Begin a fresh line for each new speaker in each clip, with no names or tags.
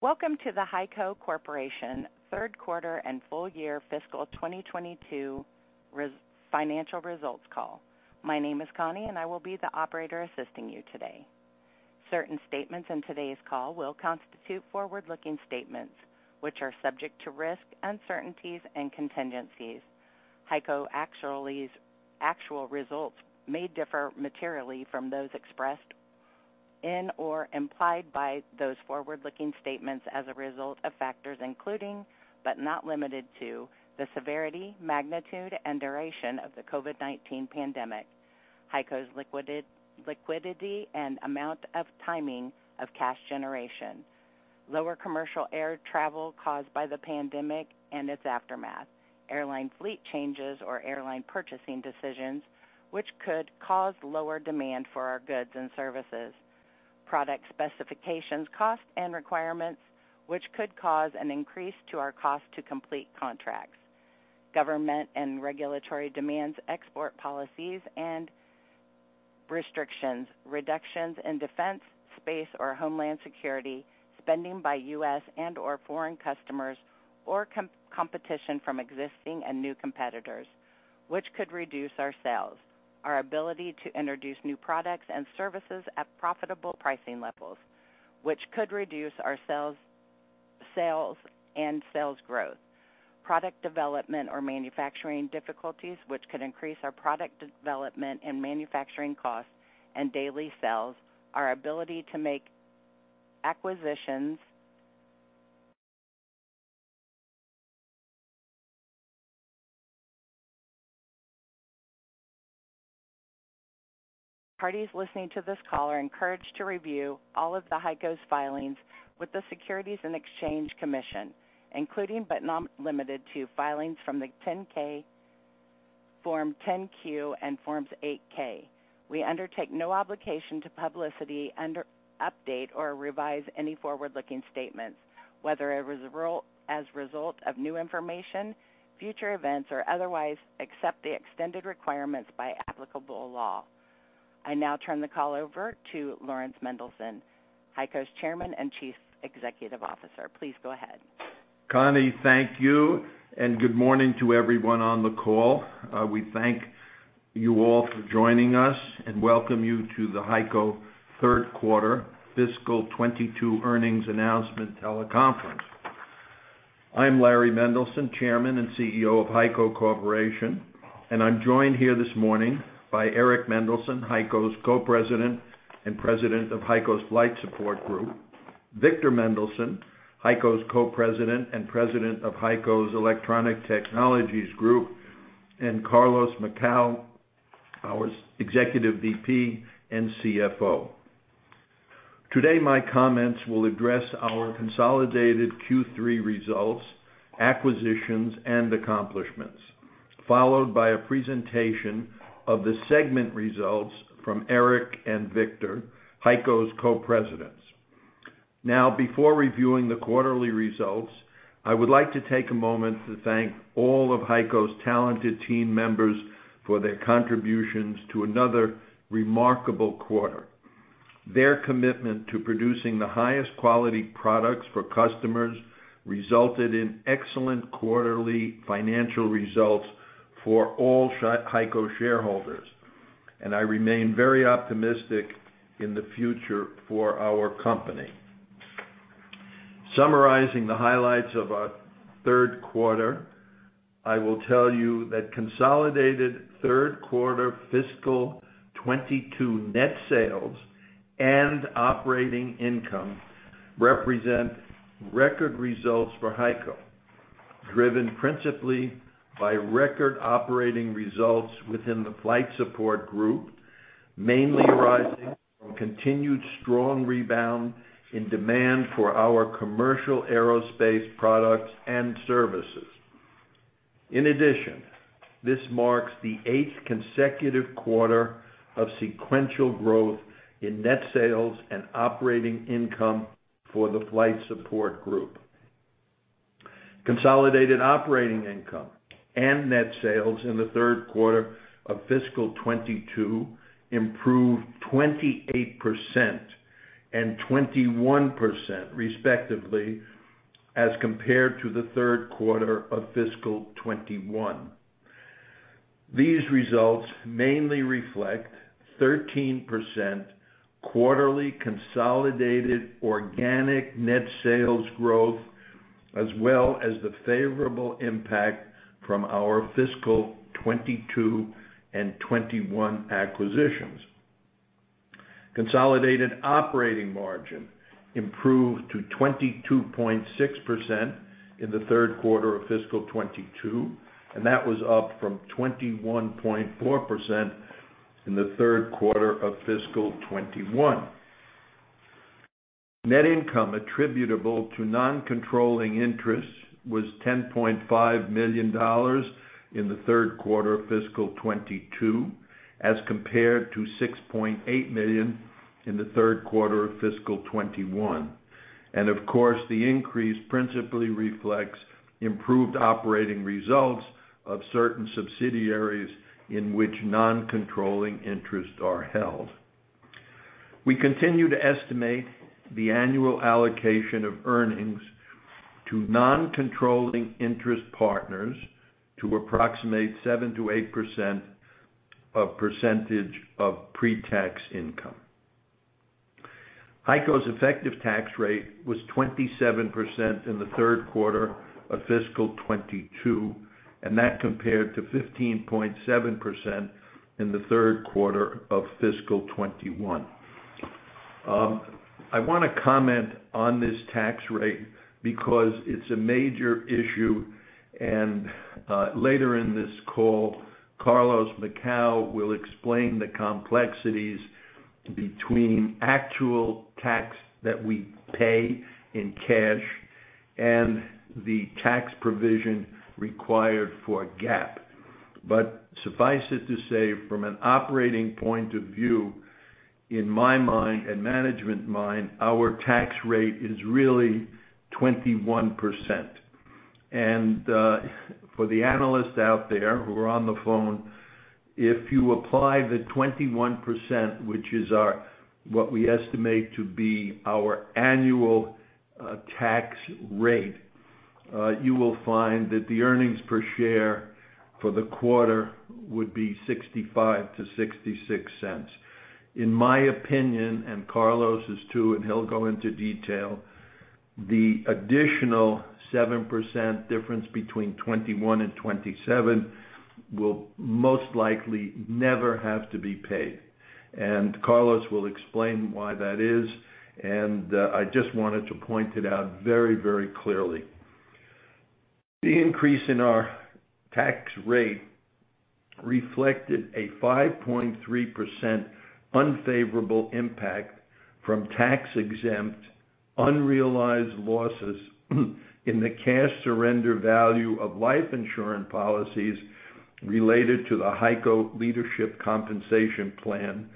Welcome to the HEICO Corporation Q3 and full year fiscal 2022 financial results call. My name is Connie, and I will be the operator assisting you today. Certain statements in today's call will constitute forward-looking statements, which are subject to risks, uncertainties, and contingencies. HEICO's actual results may differ materially from those expressed in or implied by those forward-looking statements as a result of factors including, but not limited to, the severity, magnitude, and duration of the COVID-19 pandemic, HEICO's liquidity and amount and timing of cash generation, lower commercial air travel caused by the pandemic and its aftermath, airline fleet changes or airline purchasing decisions, which could cause lower demand for our goods and services, product specifications, costs, and requirements, which could cause an increase in our costs to complete contracts, government and regulatory demands, export policies and restrictions, reductions in defense, space, or homeland security spending by U.S. and/or foreign customers, or competition from existing and new competitors, which could reduce our sales, our ability to introduce new products and services at profitable pricing levels, which could reduce our sales and sales growth, product development or manufacturing difficulties, which could increase our product development and manufacturing costs and delay sales, our ability to make acquisitions. Parties listening to this call are encouraged to review all of HEICO's filings with the Securities and Exchange Commission, including, but not limited to, the Form 10-K, Form 10-Q, and Forms 8-K. We undertake no obligation to publicly update or revise any forward-looking statements, whether as a result of new information, future events, or otherwise, except as required by applicable law. I now turn the call over to Laurans Mendelson, HEICO's Chairman and Chief Executive Officer. Please go ahead.
Connie, thank you, and good morning to everyone on the call. We thank you all for joining us, and welcome you to the HEICO Q3 fiscal 2022 earnings announcement teleconference. I'm Larry Mendelson, Chairman and CEO of HEICO Corporation, and I'm joined here this morning by Eric Mendelson, HEICO's Co-President and President of HEICO's Flight Support Group, Victor Mendelson, HEICO's Co-President and President of HEICO's Electronic Technologies Group, and Carlos Macau, our Executive VP and CFO. Today, my comments will address our consolidated Q3 results, acquisitions, and accomplishments, followed by a presentation of the segment results from Eric and Victor, HEICO's Co-Presidents. Now, before reviewing the quarterly results, I would like to take a moment to thank all of HEICO's talented team members for their contributions to another remarkable quarter. Their commitment to producing the highest quality products for customers resulted in excellent quarterly financial results for all HEICO shareholders, and I remain very optimistic in the future for our company. Summarizing the highlights of our Q3, I will tell you that consolidated Q3 fiscal 2022 net sales and operating income represent record results for HEICO, driven principally by record operating results within the Flight Support Group, mainly arising from continued strong rebound in demand for our commercial aerospace products and services. In addition, this marks the 8th consecutive quarter of sequential growth in net sales and operating income for the Flight Support Group. Consolidated operating income and net sales in the Q3 of fiscal 2022 improved 28% and 21% respectively, as compared to the Q3 of fiscal 2021. These results mainly reflect 13% quarterly consolidated organic net sales growth, as well as the favorable impact from our fiscal 2022 and 2021 acquisitions. Consolidated operating margin improved to 22.6% in the Q3 of fiscal 2022, and that was up from 21.4% in the Q3 of fiscal 2021. Net income attributable to non-controlling interests was $10.5 million in the Q3 of fiscal 2022, as compared to $6.8 million in the Q3 of fiscal 2021. Of course, the increase principally reflects improved operating results of certain subsidiaries in which non-controlling interests are held. We continue to estimate the annual allocation of earnings to non-controlling interest partners to approximate 7% to 8% of pre-tax income. HEICO's effective tax rate was 27% in the Q3 of fiscal 2022, and that compared to 15.7% in the Q3 of fiscal 2021. I wanna comment on this tax rate because it's a major issue, and later in this call, Carlos Macau will explain the complexities between actual tax that we pay in cash and the tax provision required for GAAP. Suffice it to say, from an operating point of view, in my mind and management mind, our tax rate is really 21%. For the analysts out there who are on the phone, if you apply the 21%, which is our annual tax rate, you will find that the earnings per share for the quarter would be $0.65 to $0.66. In my opinion, and Carlos's too, and he'll go into detail, the additional 7% difference between 21 and 27 will most likely never have to be paid. Carlos will explain why that is, and I just wanted to point it out very, very clearly. The increase in our tax rate reflected a 5.3% unfavorable impact from tax-exempt, unrealized losses in the cash surrender value of life insurance policies related to the HEICO Leadership Compensation Plan,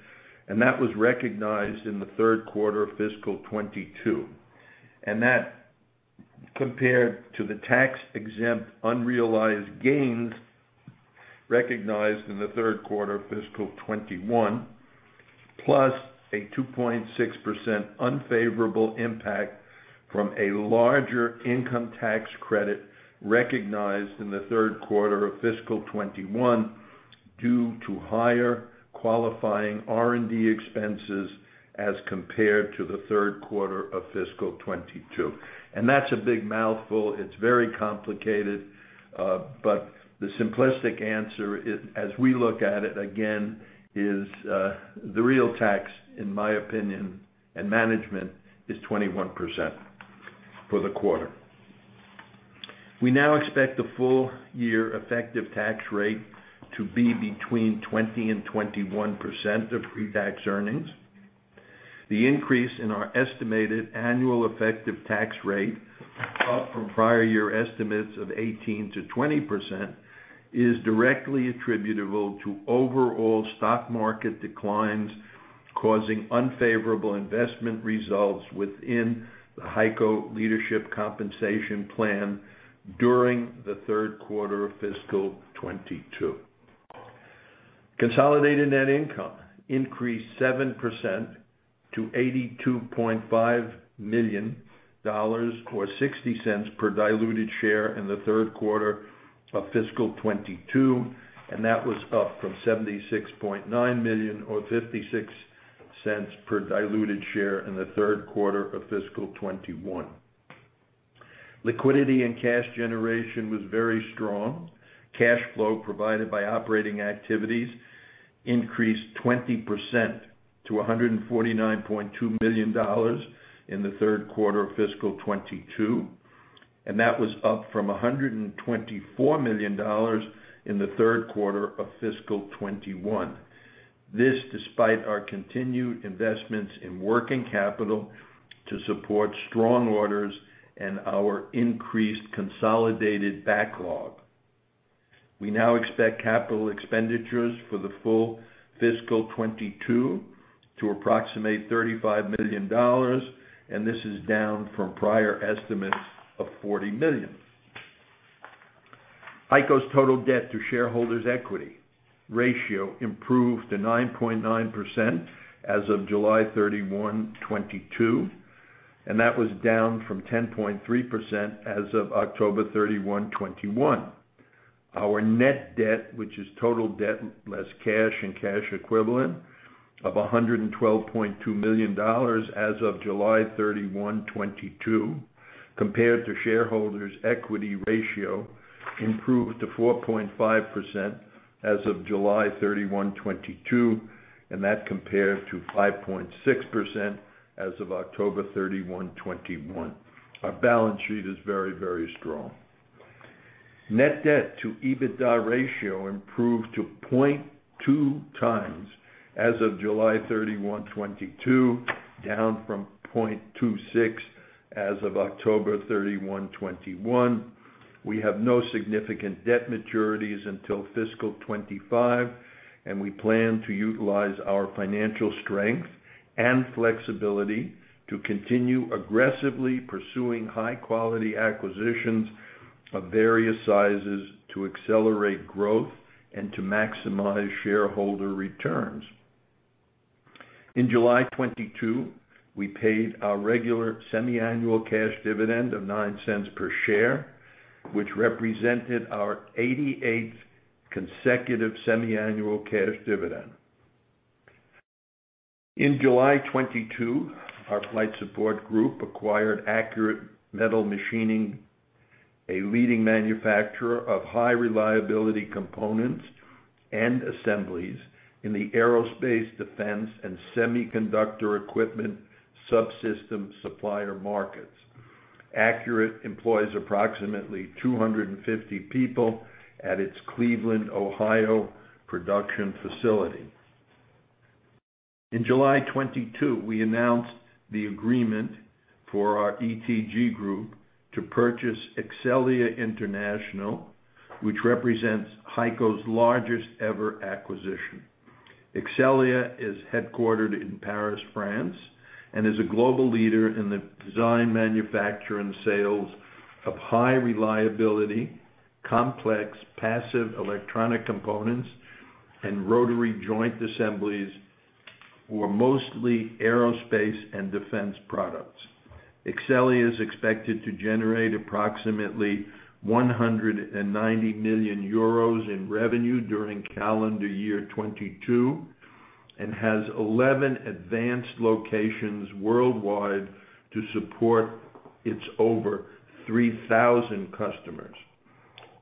and that was recognized in the Q3 of fiscal 2022. That compared to the tax-exempt unrealized gains recognized in the Q3 of fiscal 2021, plus a 2.6% unfavorable impact from a larger income tax credit recognized in the Q3 of fiscal 2021 due to higher qualifying R&D expenses as compared to the Q3 of fiscal 2022. That's a big mouthful. It's very complicated, but the simplistic answer is, as we look at it again, the real tax, in my opinion, and management, is 21% for the quarter. We now expect the full year effective tax rate to be between 20% and 21% of pre-tax earnings. The increase in our estimated annual effective tax rate, up from prior year estimates of 18% to 20%, is directly attributable to overall stock market declines causing unfavorable investment results within the HEICO Corporation Leadership Compensation Plan during the Q3 of fiscal 2022. Consolidated net income increased 7% to $82.5 million, or $0.60 per diluted share in the Q3 of fiscal 2022, and that was up from $76.9 million or $0.56 per diluted share in the Q3 of fiscal 2021. Liquidity and cash generation was very strong. Cash flow provided by operating activities increased 20% to $149.2 million in the Q3 of fiscal 2022, and that was up from $124 million in the Q3 of fiscal 2021. This despite our continued investments in working capital to support strong orders and our increased consolidated backlog. We now expect capital expenditures for the full fiscal 2022 to approximate $35 million, and this is down from prior estimates of $40 million. HEICO's total debt to shareholders' equity ratio improved to 9.9% as of July 31, 2022, and that was down from 10.3% as of October 31, 2021. Our net debt, which is total debt less cash and cash equivalent, of $112.2 million as of July 31, 2022, compared to shareholders' equity ratio improved to 4.5% as of July 31, 2022, and that compared to 5.6% as of October 31, 2021. Our balance sheet is very, very strong. Net debt to EBITDA ratio improved to 0.2x as of July 31, 2022, down from 0.26 as of October 31, 2021. We have no significant debt maturities until fiscal 2025, and we plan to utilize our financial strength and flexibility to continue aggressively pursuing high-quality acquisitions of various sizes to accelerate growth and to maximize shareholder returns. In July 2022, we paid our regular semiannual cash dividend of $0.09 per share, which represented our 88 consecutive semiannual cash dividend. In July 2022, our Flight Support Group acquired Accurate Metal Machining, a leading manufacturer of high-reliability components and assemblies in the aerospace, defense, and semiconductor equipment subsystem supplier markets. Accurate employs approximately 250 people at its Cleveland, Ohio, production facility. In July 2022, we announced the agreement for our ETG group to purchase Exxelia International, which represents HEICO's largest-ever acquisition. Exxelia is headquartered in Paris, France, and is a global leader in the design, manufacture, and sales of high-reliability, complex passive electronic components and rotary joint assemblies who are mostly aerospace and defense products. Exxelia is expected to generate approximately 190 million euros in revenue during calendar year 2022 and has 11 advanced locations worldwide to support its over 3,000 customers.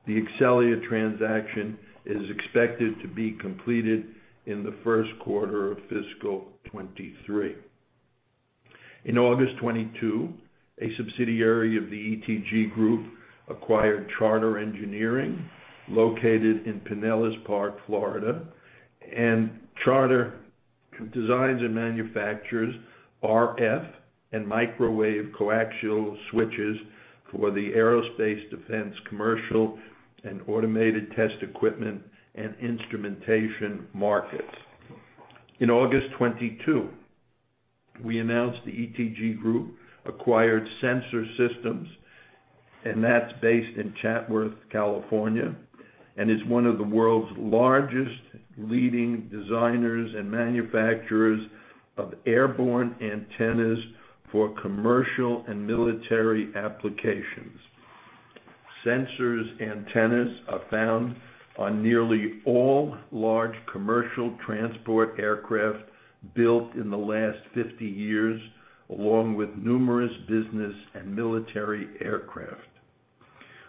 The Exxelia transaction is expected to be completed in the Q1 of fiscal 2023. In August 2022, a subsidiary of the ETG Group acquired Charter Engineering, located in Pinellas Park, Florida. Charter designs and manufactures RF and microwave coaxial switches for the aerospace, defense, commercial, and automated test equipment and instrumentation markets. In August 2022, we announced the ETG Group acquired Sensor Systems, and that's based in Chatsworth, California, and is one of the world's largest leading designers and manufacturers of airborne antennas for commercial and military applications. Sensor's antennas are found on nearly all large commercial transport aircraft built in the last 50 years, along with numerous business and military aircraft.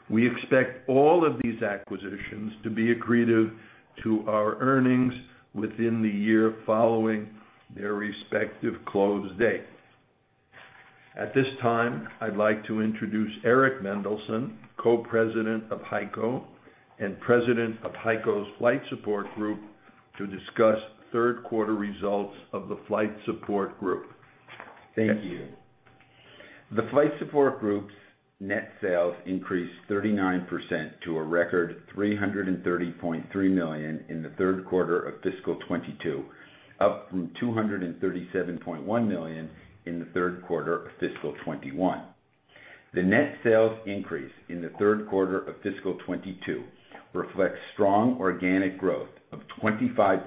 We expect all of these acquisitions to be accretive to our earnings within the year following their respective close date. At this time, I'd like to introduce Eric Mendelson, Co-President of HEICO and President of HEICO's Flight Support Group, to discuss Q3 results of the Flight Support Group.
Thank you. The Flight Support Group's net sales increased 39% to a record $330.3 million in the Q3 of fiscal 2022, up from $237.1 million in the Q3 of fiscal 2021. The net sales increase in the Q3 of fiscal 2022 reflects strong organic growth of 25%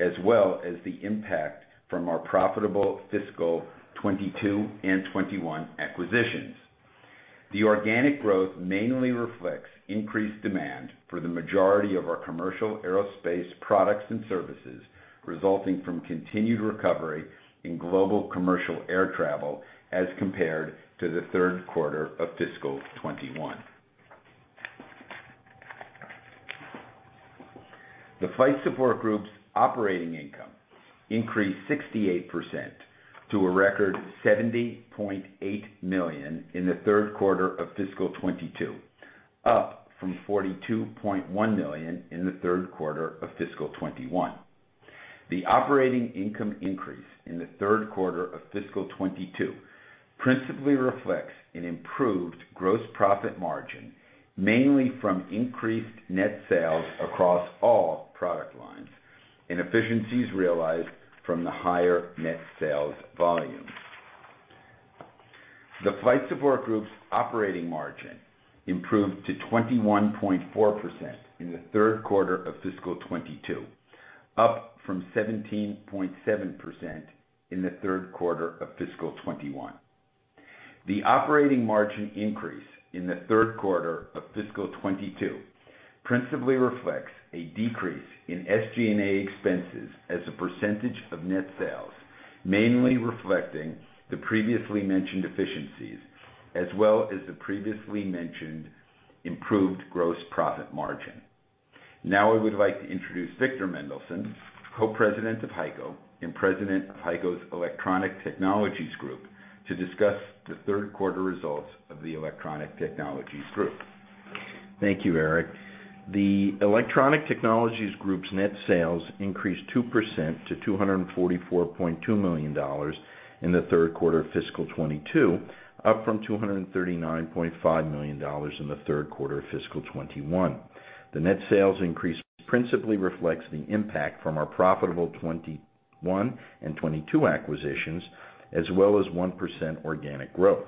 as well as the impact from our profitable fiscal 2022 and 2021 acquisitions. The organic growth mainly reflects increased demand for the majority of our commercial aerospace products and services, resulting from continued recovery in global commercial air travel as compared to the Q3 of fiscal 2021. The Flight Support Group's operating income increased 68% to a record $70.8 million in the Q3 of fiscal 2022, up from $42.1 million in the Q3 of fiscal 2021. The operating income increase in the Q3 of fiscal 2022 principally reflects an improved gross profit margin, mainly from increased net sales across all product lines and efficiencies realized from the higher net sales volumes. The Flight Support Group's operating margin improved to 21.4% in the Q3 of fiscal 2022, up from 17.7% in the Q3 of fiscal 2021. The operating margin increase in the Q3 of fiscal 2022 principally reflects a decrease in SG&A expenses as a percentage of net sales, mainly reflecting the previously mentioned efficiencies as well as the previously mentioned improved gross profit margin. Now I would like to introduce Victor Mendelson, Co-President of HEICO and President of HEICO's Electronic Technologies Group, to discuss the Q3 results of the Electronic Technologies Group.
Thank you, Eric. The Electronic Technologies Group's net sales increased 2% to $244.2 million in the Q3 of fiscal 2022, up from $239.5 million in the Q3 of fiscal 2021. The net sales increase principally reflects the impact from our profitable 2021 and 2022 acquisitions, as well as 1% organic growth.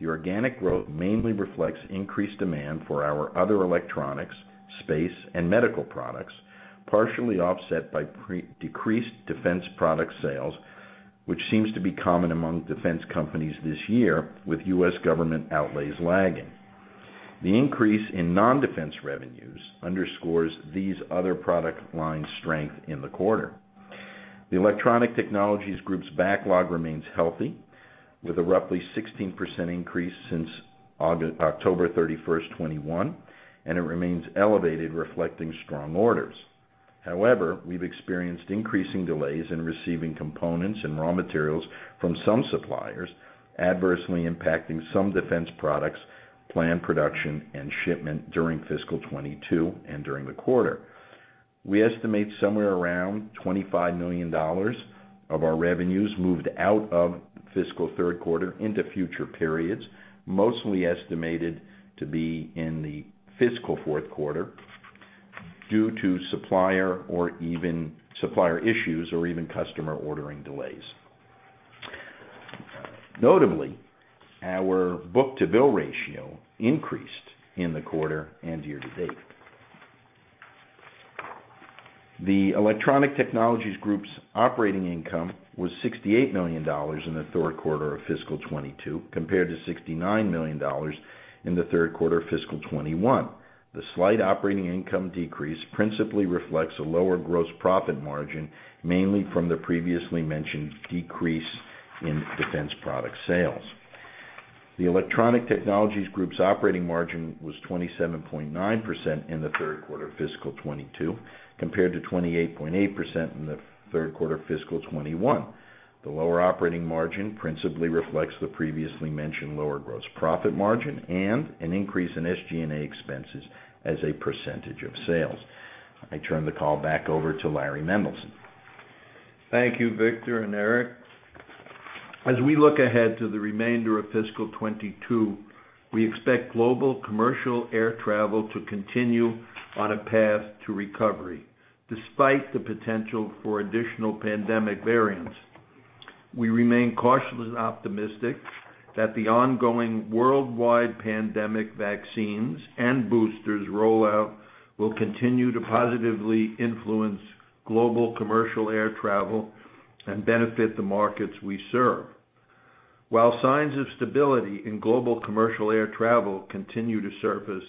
The organic growth mainly reflects increased demand for our other electronics, space and medical products, partially offset by decreased defense product sales, which seems to be common among defense companies this year, with U.S. government outlays lagging. The increase in non-defense revenues underscores these other product lines' strength in the quarter. The Electronic Technologies Group's backlog remains healthy, with a roughly 16% increase since October 31, 2021, and it remains elevated, reflecting strong orders. However, we've experienced increasing delays in receiving components and raw materials from some suppliers, adversely impacting some defense products, planned production and shipment during fiscal 2022 and during the quarter. We estimate somewhere around $25 million of our revenues moved out of fiscal Q3 into future periods, mostly estimated to be in the fiscal Q4 due to supplier or even supplier issues or even customer ordering delays. Notably, our book-to-bill ratio increased in the quarter and year to date. The Electronic Technologies Group's operating income was $68 million in the Q3 of fiscal 2022, compared to $69 million in the Q3 of fiscal 2021. The slight operating income decrease principally reflects a lower gross profit margin, mainly from the previously mentioned decrease in defense product sales. The Electronic Technologies Group's operating margin was 27.9% in the Q3 of fiscal 2022, compared to 28.8% in the Q3 of fiscal 2021. The lower operating margin principally reflects the previously mentioned lower gross profit margin and an increase in SG&A expenses as a percentage of sales. I turn the call back over to Larry Mendelson.
Thank you, Victor and Eric. As we look ahead to the remainder of fiscal 2022, we expect global commercial air travel to continue on a path to recovery, despite the potential for additional pandemic variants. We remain cautiously optimistic that the ongoing worldwide pandemic vaccines and boosters rollout will continue to positively influence global commercial air travel and benefit the markets we serve. While signs of stability in global commercial air travel continue to surface,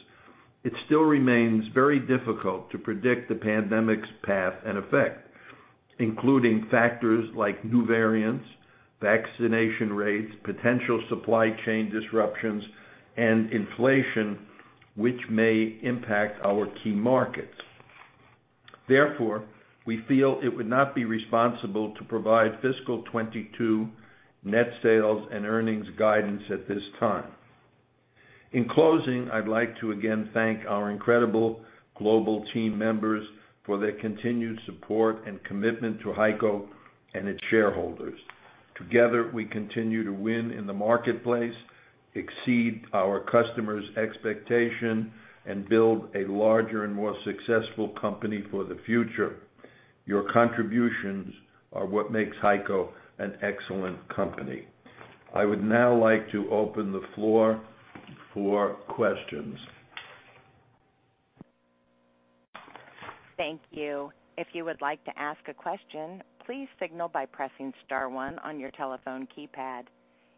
it still remains very difficult to predict the pandemic's path and effect, including factors like new variants, vaccination rates, potential supply chain disruptions, and inflation, which may impact our key markets. Therefore, we feel it would not be responsible to provide fiscal 2022 net sales and earnings guidance at this time. In closing, I'd like to again thank our incredible global team members for their continued support and commitment to HEICO and its shareholders. Together, we continue to win in the marketplace, exceed our customers' expectation, and build a larger and more successful company for the future. Your contributions are what makes HEICO an excellent company. I would now like to open the floor for questions.
Thank you. If you would like to ask a question, please signal by pressing star one on your telephone keypad.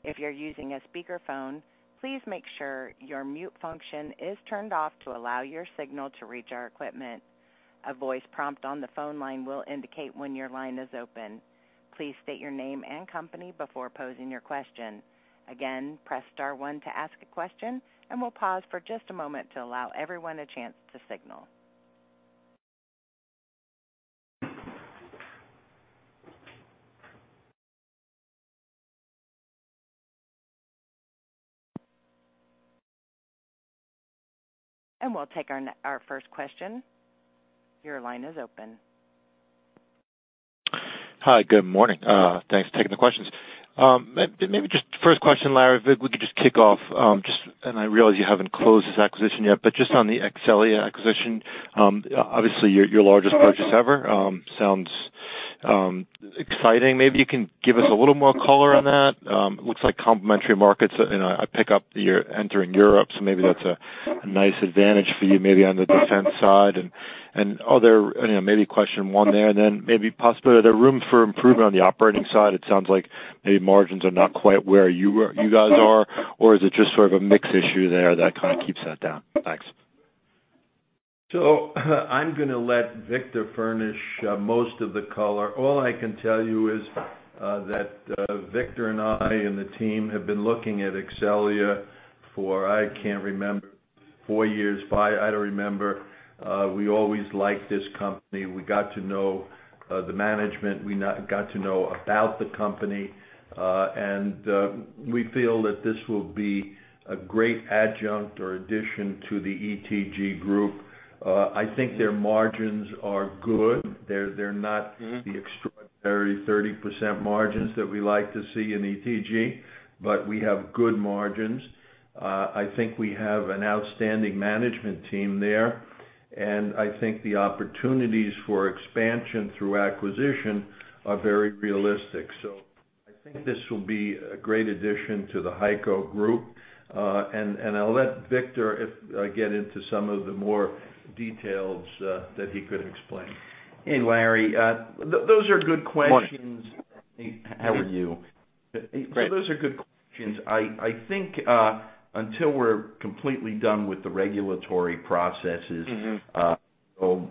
If you're using a speakerphone, please make sure your mute function is turned off to allow your signal to reach our equipment. A voice prompt on the phone line will indicate when your line is open. Please state your name and company before posing your question. Again, press star one to ask a question, and we'll pause for just a moment to allow everyone a chance to signal. We'll take our first question. Your line is open.
Hi, good morning. Thanks for taking the questions. Maybe just first question, Larry, if we could just kick off, and I realize you haven't closed this acquisition yet, but just on the Exxelia acquisition, obviously your largest purchase ever, sounds exciting. Maybe you can give us a little more color on that. It looks like complementary markets and I pick up you're entering Europe, so maybe that's a nice advantage for you, maybe on the defense side. Other, you know, maybe question 1 there, and then maybe possibly are there room for improvement on the operating side? It sounds like maybe margins are not quite where you were you guys are. Or is it just sort of a mix issue there that kind of keeps that down? Thanks.
I'm gonna let Victor furnish most of the color. All I can tell you is that Victor and I and the team have been looking at Exxelia for, I can't remember, 4 years, 5, I don't remember. We always liked this company. We got to know the management. We now got to know about the company, and we feel that this will be a great adjunct or addition to the ETG group. I think their margins are good. They're not the extraordinary 30% margins that we like to see in ETG, but we have good margins.
I think we have an outstanding management team there, and I think the opportunities for expansion through acquisition are very realistic. I think this will be a great addition to the HEICO group. I'll let Victor get into some of the more details that he could explain.
Hey, Larry. Those are good questions.
Morning.
How are you? Great. Those are good questions. I think until we're completely done with the regulatory processes.
Mm-hmm
We'll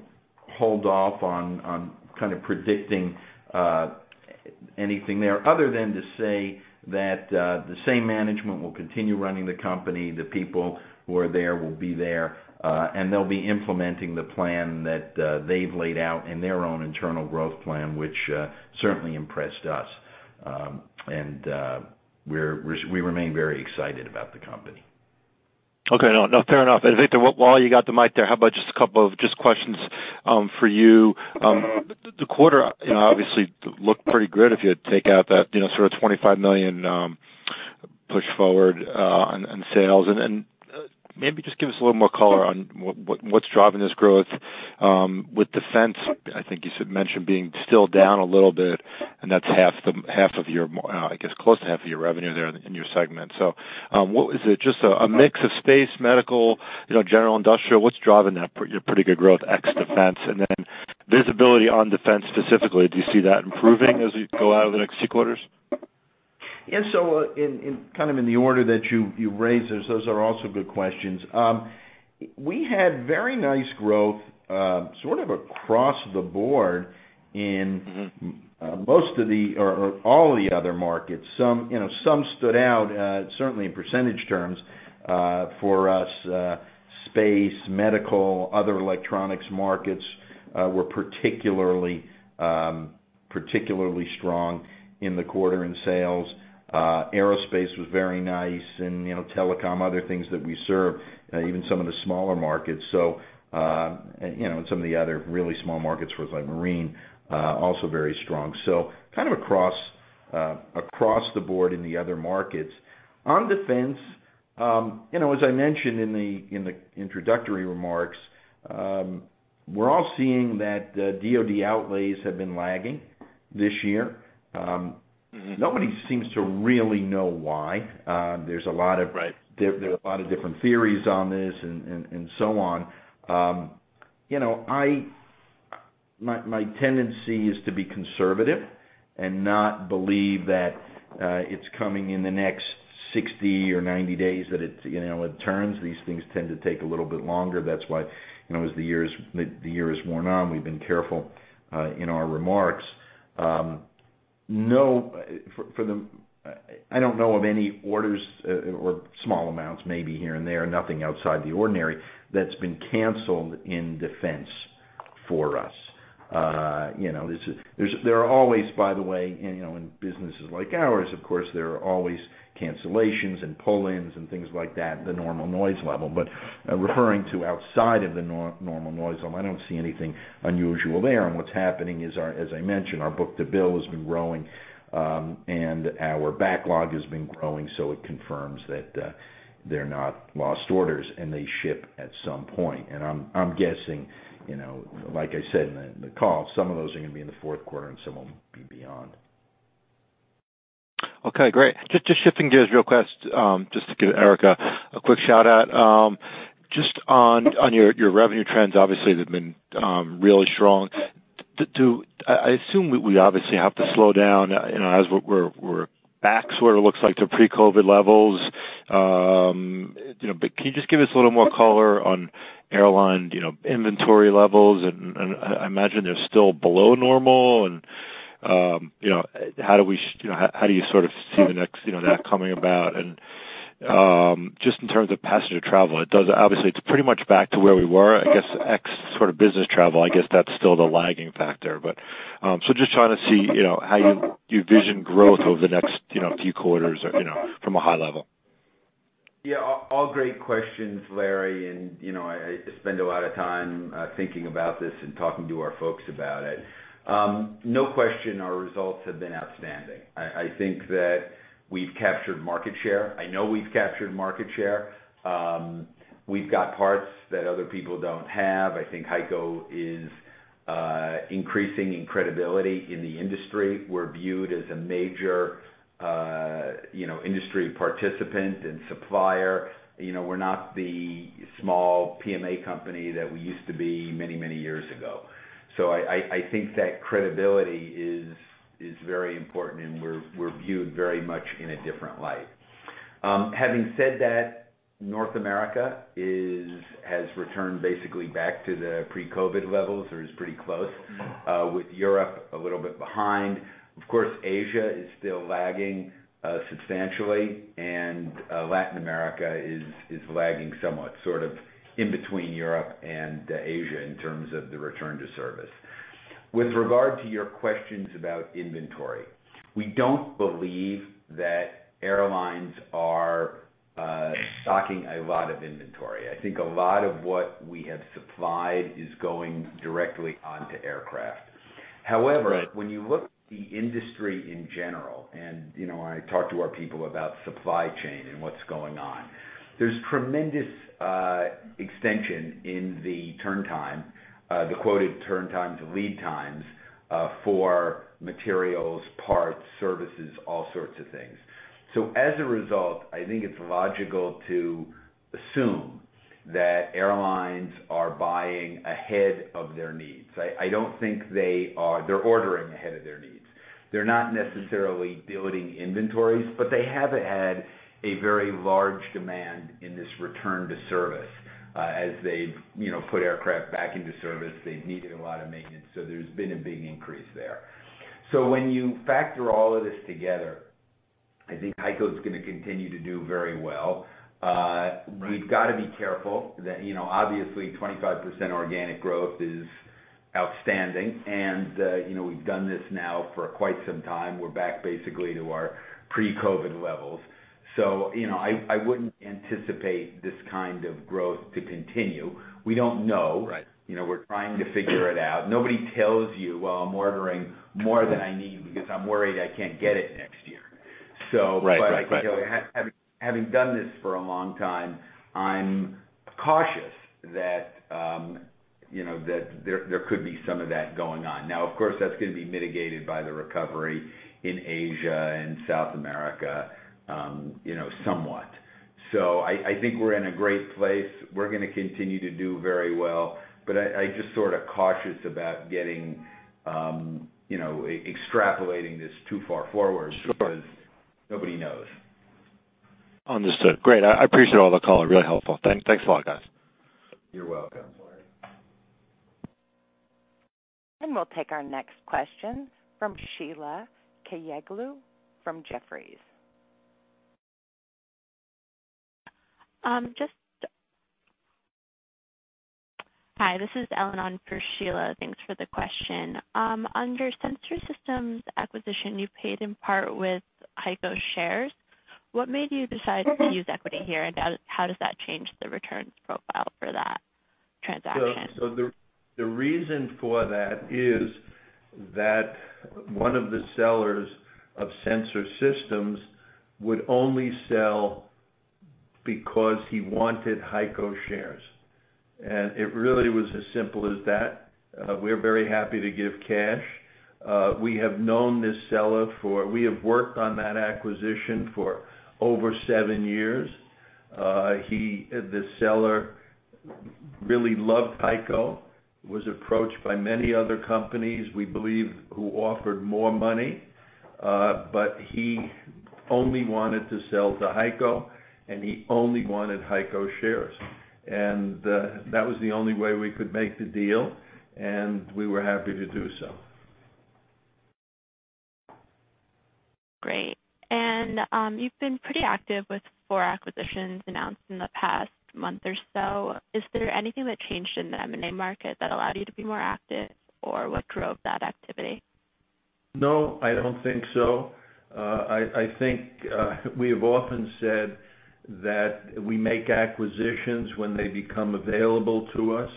hold off on kind of predicting anything there other than to say that the same management will continue running the company. The people who are there will be there, and they'll be implementing the plan that they've laid out in their own internal growth plan, which certainly impressed us. We remain very excited about the company.
Okay. No, no, fair enough. Victor, while you got the mic there, how about just a couple of just questions for you. The quarter, you know, obviously looked pretty good if you take out that, you know, sort of $25 million push forward on sales. Maybe just give us a little more color on what's driving this growth. With defense, I think you should mention being still down a little bit, and that's half of your, I guess, close to half of your revenue there in your segment. What is it? Just a mix of space, medical, you know, general industrial. What's driving your pretty good growth ex defense? Visibility on defense specifically, do you see that improving as we go out over the next few quarters?
Yeah. In kind of the order that you raised this, those are also good questions. We had very nice growth, sort of across the board in-
Mm-hmm
Most of the or all of the other markets. Some, you know, stood out certainly in percentage terms for us, space, medical. Other electronics markets were particularly strong in the quarter in sales. Aerospace was very nice and, you know, telecom, other things that we serve, even some of the smaller markets. You know, some of the other really small markets was like marine, also very strong. Kind of across the board in the other markets. On defense, you know, as I mentioned in the introductory remarks, we're all seeing that DoD outlays have been lagging this year.
Mm-hmm
nobody seems to really know why.
Right
There are a lot of different theories on this and so on. You know, my tendency is to be conservative and not believe that it's coming in the next 60 or 90 days, that it turns. These things tend to take a little bit longer. That's why, you know, as the year has worn on, we've been careful in our remarks. No, I don't know of any orders or small amounts maybe here and there, nothing outside the ordinary that's been canceled in defense for us. You know, there are always, by the way, and you know, in businesses like ours, of course, there are always cancellations and pull-ins and things like that, the normal noise level. Referring to outside of the normal noise level, I don't see anything unusual there. What's happening is, as I mentioned, our book-to-bill has been growing, and our backlog has been growing, so it confirms that they're not lost orders, and they ship at some point. I'm guessing, you know, like I said in the call, some of those are gonna be in the Q4 and some of them be beyond.
Okay, great. Just shifting gears real quick, just to give Eric a quick shout-out. Just on your revenue trends, obviously, they've been really strong. I assume we obviously have to slow down, you know, as we're back sort of looks like to pre-COVID levels. You know, but can you just give us a little more color on airline, you know, inventory levels? And I imagine they're still below normal. You know, how do you sort of see the next, you know, that coming about? And just in terms of passenger travel, obviously, it's pretty much back to where we were. I guess ex sort of business travel, I guess, that's still the lagging factor. Just trying to see, you know, how you envision growth over the next, you know, few quarters, you know, from a high level.
Yeah. All great questions, Larry. You know, I spend a lot of time thinking about this and talking to our folks about it. No question, our results have been outstanding. I think that we've captured market share. I know we've captured market share. We've got parts that other people don't have. I think HEICO is increasing in credibility in the industry. We're viewed as a major, you know, industry participant and supplier. You know, we're not the small PMA company that we used to be many, many years ago. I think that credibility is very important, and we're viewed very much in a different light. Having said that, North America has returned basically back to the pre-COVID levels or is pretty close, with Europe a little bit behind. Of course, Asia is still lagging substantially, and Latin America is lagging somewhat, sort of in between Europe and Asia in terms of the return to service.
With regard to your questions about inventory, we don't believe that airlines are stocking a lot of inventory. I think a lot of what we have supplied is going directly onto aircraft. However, when you look at the industry in general, and you know, I talk to our people about supply chain and what's going on, there's tremendous extension in the turn time, the quoted turn times and lead times, for materials, parts, services, all sorts of things. As a result, I think it's logical to assume that airlines are buying ahead of their needs. They're ordering ahead of their needs. They're not necessarily building inventories, but they have had a very large demand in this return to service. As they've, you know, put aircraft back into service, they've needed a lot of maintenance, so there's been a big increase there. When you factor all of this together, I think HEICO is gonna continue to do very well. We've gotta be careful that, you know, obviously, 25% organic growth is outstanding and, you know, we've done this now for quite some time. We're back basically to our pre-COVID levels. You know, I wouldn't anticipate this kind of growth to continue. We don't know.
Right.
You know, we're trying to figure it out. Nobody tells you, "Well, I'm ordering more than I need because I'm worried I can't get it next year.
Right.
I think having done this for a long time, I'm cautious that, you know, that there could be some of that going on. Now, of course, that's gonna be mitigated by the recovery in Asia and South America, you know, somewhat. I think we're in a great place. We're gonna continue to do very well. I just sorta cautious about getting, you know, extrapolating this too far forward.
Sure.
because nobody knows.
Understood. Great. I appreciate all the color. Really helpful. Thanks a lot, guys.
You're welcome.
We'll take our next question from Sheila Kahyaoglu from Jefferies.
Hi, this is Ellen for Sheila. Thanks for the question. Under Sensor Systems acquisition, you paid in part with HEICO shares. What made you decide to use equity here, and how does that change the returns profile for that transaction?
The reason for that is that one of the sellers of Sensor Systems would only sell because he wanted HEICO shares. It really was as simple as that. We're very happy to give cash. We have worked on that acquisition for over 7 years. The seller really loved HEICO, was approached by many other companies, we believe, who offered more money. He only wanted to sell to HEICO, and he only wanted HEICO shares. That was the only way we could make the deal, and we were happy to do so.
Great. You've been pretty active with 4 acquisitions announced in the past month or so. Is there anything that changed in the M&A market that allowed you to be more active, or what drove that activity?
No, I don't think so. I think we have often said that we make acquisitions when they become available to us.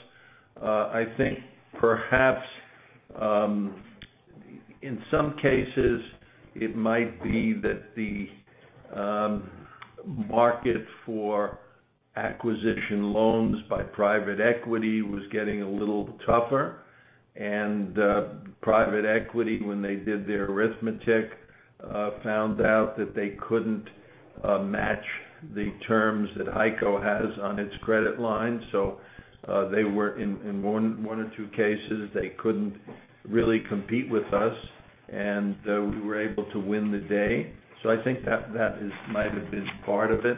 I think perhaps in some cases, it might be that the market for acquisition loans by private equity was getting a little tougher. Private equity, when they did their arithmetic, found out that they couldn't match the terms that HEICO has on its credit line. They were in 1 or 2 cases, they couldn't really compete with us, and we were able to win the day. I think that might have been part of it.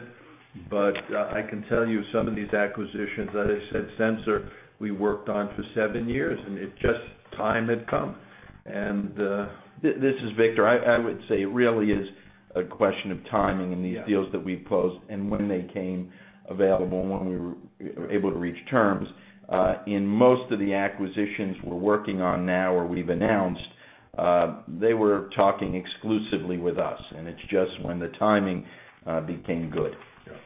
I can tell you some of these acquisitions, as I said, Sensor, we worked on for 7 years, and it just time had come.
This is Victor. I would say it really is a question of timing in these deals that we've closed and when they came available and when we were able to reach terms. In most of the acquisitions we're working on now or we've announced, they were talking exclusively with us, and it's just when the timing became good.
Yeah.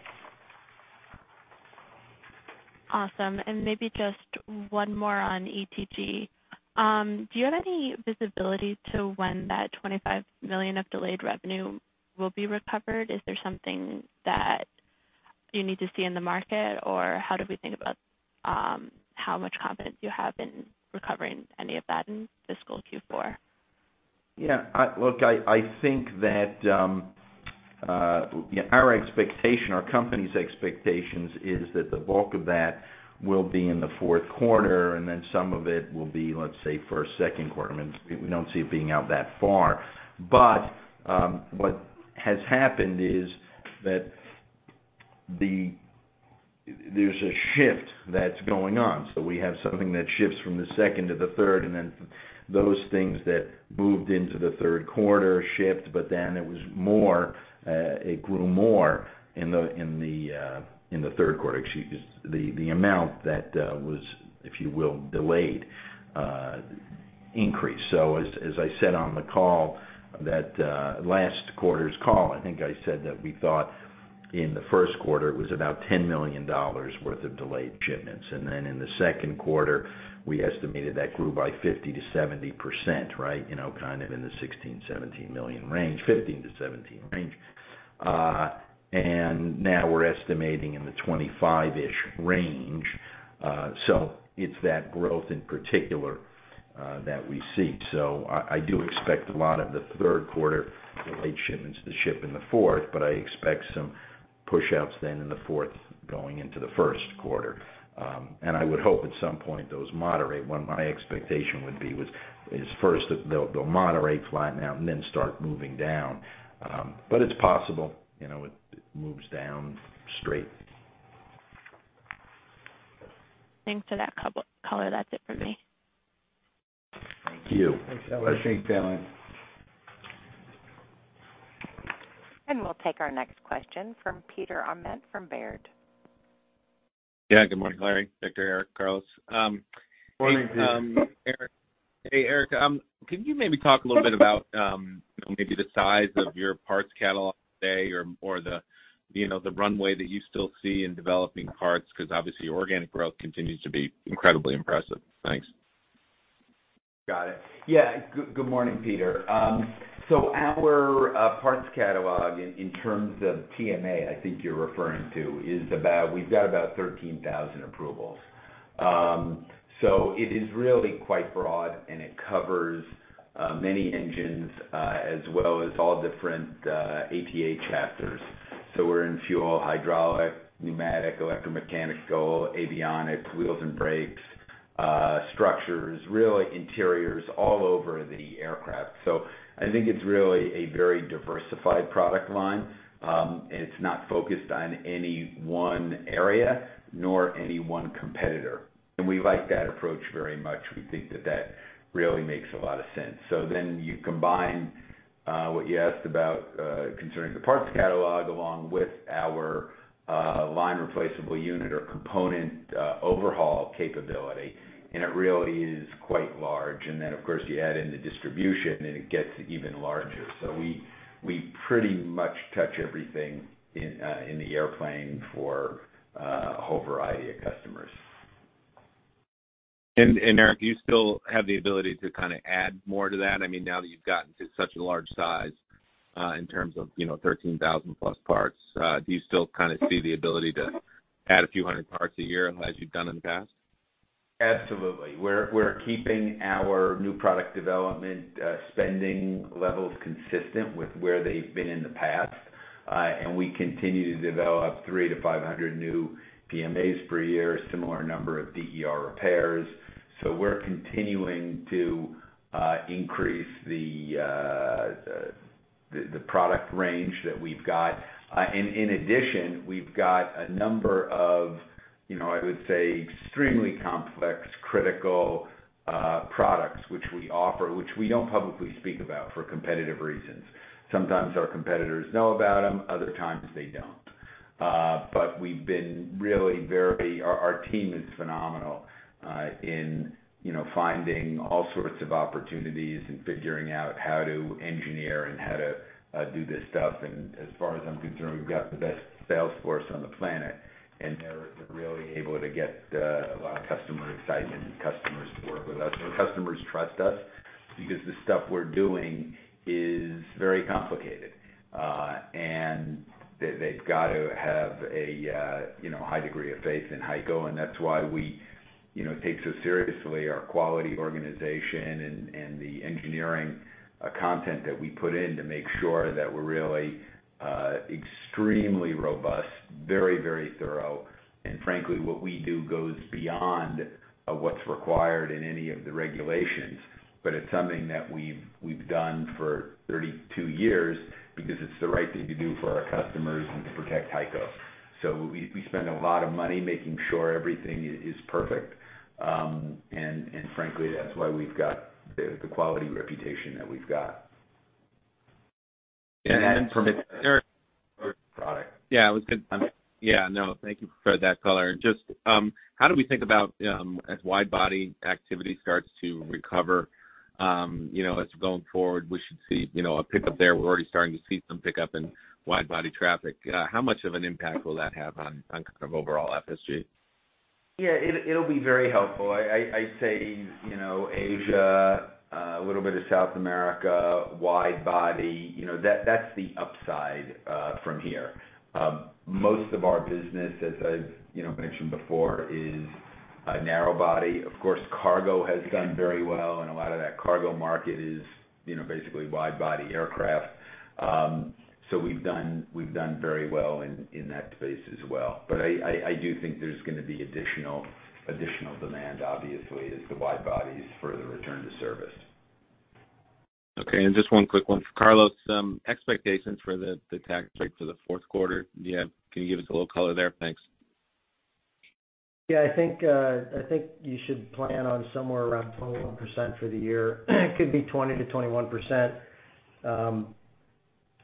Awesome. Maybe just 1 more on ETG. Do you have any visibility to when that $25 million of delayed revenue will be recovered? Is there something that you need to see in the market, or how do we think about how much confidence you have in recovering any of that in fiscal Q4?
Look, I think that our expectation, our company's expectations is that the bulk of that will be in the Q4, and then some of it will be, let's say, first, Q2. I mean, we don't see it being out that far. What has happened is that there's a shift that's going on. We have something that shifts from the 2nd to the 3rd, and then those things that moved into the Q3 shift, but then it was more, a little more in the Q3. The amount that was, if you will, delayed increase. As I said on the call, last quarter's call, I think I said that we thought in the Q1 it was about $10 million worth of delayed shipments. In the Q2, we estimated that grew by 50% to 70%, right? You know, kind of in the $16 to $17 million range. $15 to $17 million range. Now we're estimating in the $25-ish million range. It's that growth in particular that we see. I do expect a lot of the Q3 delayed shipments to ship in the 4th, but I expect some pushouts then in the 4th going into the Q1. I would hope at some point those moderate. My expectation is first that they'll moderate, flatten out, and then start moving down. It's possible, you know, it moves down straight.
Thanks for that color. That's it for me.
Thank you.
Thanks, Ellen.
We'll take our next question from Peter Arment from Baird.
Yeah. Good morning, Larry, Victor, Eric, Carlos.
Morning, Peter.
Eric, hey, can you maybe talk a little bit about, you know, maybe the size of your parts catalog today or the, you know, the runway that you still see in developing parts, 'cause obviously organic growth continues to be incredibly impressive. Thanks.
Got it. Yeah. Good morning, Peter. Our parts catalog in terms of PMA, I think you're referring to, is about, we've got about 13,000 approvals. It is really quite broad, and it covers many engines as well as all different ATA chapters. We're in fuel, hydraulic, pneumatic, electromechanical, avionics, wheels and brakes, structures, really interiors all over the aircraft. I think it's really a very diversified product line. It's not focused on any 1 area nor any 1 competitor. We like that approach very much. We think that really makes a lot of sense. You combine what you asked about concerning the parts catalog, along with our line replaceable unit or component overhaul capability, and it really is quite large. Of course, you add in the distribution, and it gets even larger. We pretty much touch everything in the airplane for a whole variety of customers.
Eric, do you still have the ability to kinda add more to that? I mean, now that you've gotten to such a large size, in terms of, you know, 13,000+ parts, do you still kinda see the ability to add a few hundred parts a year as you've done in the past?
Absolutely. We're keeping our new product development spending levels consistent with where they've been in the past. We continue to develop 300 to 500 new PMAs per year, similar number of DER repairs. We're continuing to increase the product range that we've got. In addition, we've got a number of, you know, I would say, extremely complex, critical products which we offer, which we don't publicly speak about for competitive reasons. Sometimes our competitors know about them, other times they don't. We've been really very. Our team is phenomenal in, you know, finding all sorts of opportunities and figuring out how to engineer and how to do this stuff. As far as I'm concerned, we've got the best sales force on the planet, and they're really able to get a lot of customer excitement and customers to work with us. Customers trust us because the stuff we're doing is very complicated. They've got to have a you know, high degree of faith in HEICO, and that's why we you know, take so seriously our quality organization and the engineering content that we put in to make sure that we're really extremely robust, very thorough. Frankly, what we do goes beyond what's required in any of the regulations. It's something that we've done for 32 years because it's the right thing to do for our customers and to protect HEICO. We spend a lot of money making sure everything is perfect. Frankly, that's why we've got the quality reputation that we've got.
From Eric product. Yeah, it was good. Yeah, no, thank you for that color. Just, how do we think about, as wide body activity starts to recover, you know, as going forward, we should see, you know, a pickup there. We're already starting to see some pickup in wide body traffic. How much of an impact will that have on kind of overall FSG?
Yeah, it'll be very helpful. I say, you know, Asia, a little bit of South America, wide body, you know, that's the upside from here. Most of our business, as I've, you know, mentioned before, is narrow body. Of course, cargo has done very well, and a lot of that cargo market is, you know, basically wide body aircraft. So we've done very well in that space as well. I do think there's gonna be additional demand, obviously, as the wide body is further returned to service.
Okay. Just 1 quick one for Carlos. Expectations for the tax rate for the Q4. Can you give us a little color there? Thanks.
Yeah, I think you should plan on somewhere around 21% for the year. Could be 20% to 21%.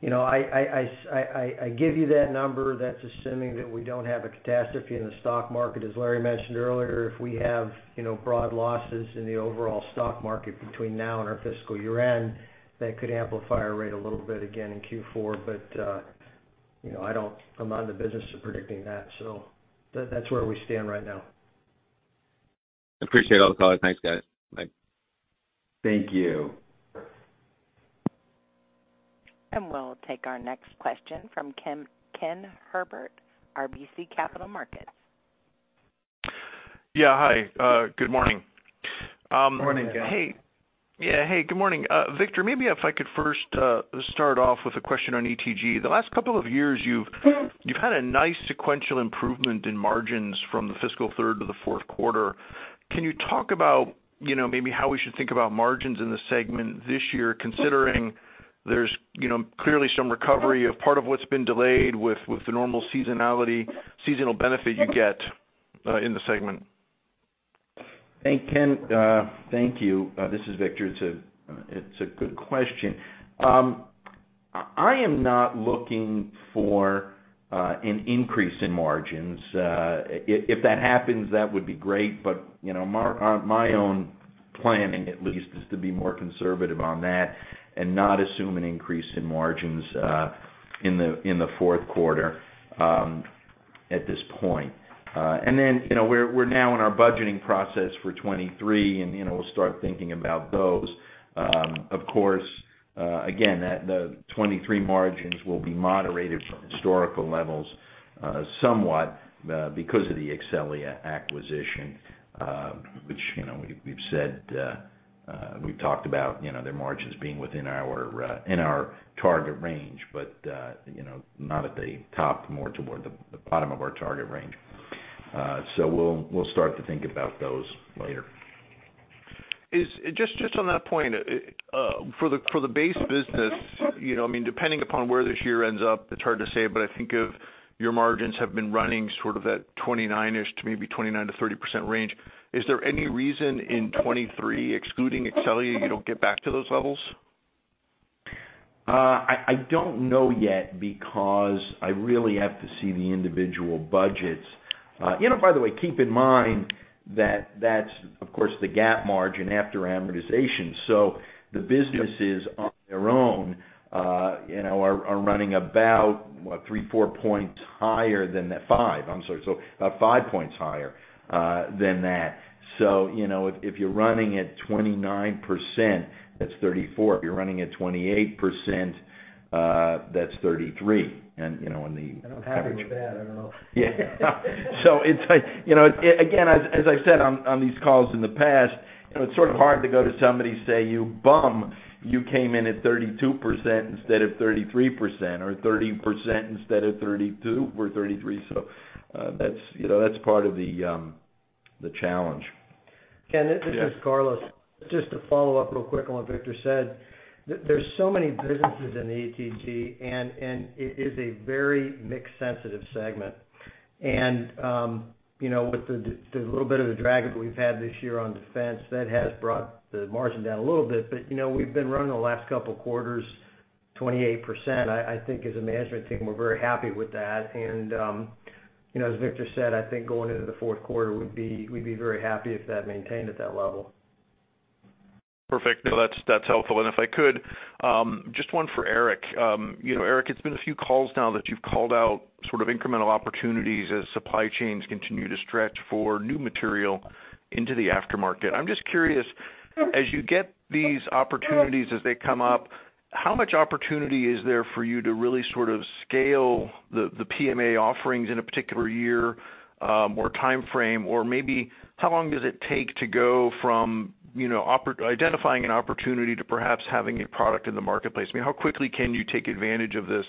You know, I give you that number. That's assuming that we don't have a catastrophe in the stock market. As Larry mentioned earlier, if we have, you know, broad losses in the overall stock market between now and our fiscal year-end, that could amplify our rate a little bit again in Q4. You know, I don't. I'm not in the business of predicting that. That's where we stand right now.
Appreciate all the color. Thanks, guys. Bye.
Thank you.
We'll take our next question from Ken Herbert, RBC Capital Markets.
Yeah, hi. Good morning.
Morning, Ken.
Hey. Yeah, hey, good morning. Victor, maybe if I could first start off with a question on ETG. The last couple of years, you've had a nice sequential improvement in margins from the fiscal third to the Q4. Can you talk about, you know, maybe how we should think about margins in the segment this year, considering there's, you know, clearly some recovery of part of what's been delayed with the normal seasonal benefit you get in the segment?
Hey, Ken. Thank you. This is Victor. It's a good question. I am not looking for an increase in margins. If that happens, that would be great, but you know, on my own planning at least is to be more conservative on that and not assume an increase in margins in the Q4 at this point. You know, we're now in our budgeting process for 2023, and you know, we'll start thinking about those. Of course, again, the 2023 margins will be moderated from historical levels somewhat because of the Exxelia acquisition, which, you know, we've said, we've talked about, you know, their margins being within our, in our target range, but, you know, not at the top, more toward the bottom of our target range. So we'll start to think about those later.
Just on that point, for the base business, you know, I mean, depending upon where this year ends up, it's hard to say, but I think of your margins have been running sort of that 29-ish to maybe 29% to 30% range. Is there any reason in 2023, excluding Exxelia, you don't get back to those levels?
I don't know yet because I really have to see the individual budgets. You know, by the way, keep in mind that that's, of course, the GAAP margin after amortization. The businesses on their own, you know, are running about 5 points higher than that. You know, if you're running at 29%, that's 34. If you're running at 28%, that's 33.
I'm happy with that. I don't know.
It's like, you know, again, as I've said on these calls in the past, you know, it's sort of hard to go to somebody say, "You bum, you came in at 32% instead of 33% or 30% instead of 32% or 33%." That's, you know, that's part of the challenge.
Ken, this is Carlos.
Yes.
Just to follow up real quick on what Victor said. There's so many businesses in the ETG and it is a very mix sensitive segment. You know, with the little bit of the drag that we've had this year on defense, that has brought the margin down a little bit. You know, we've been running the last couple quarters 28%. I think as a management team, we're very happy with that. You know, as Victor said, I think going into the Q4, we'd be very happy if that maintained at that level.
Perfect. No, that's helpful. If I could just 1 for Eric. You know, Eric, it's been a few calls now that you've called out sort of incremental opportunities as supply chains continue to stretch for new material into the aftermarket. I'm just curious, as you get these opportunities as they come up, how much opportunity is there for you to really sort of scale the PMA offerings in a particular year or timeframe? Or maybe how long does it take to go from identifying an opportunity to perhaps having a product in the marketplace? I mean, how quickly can you take advantage of this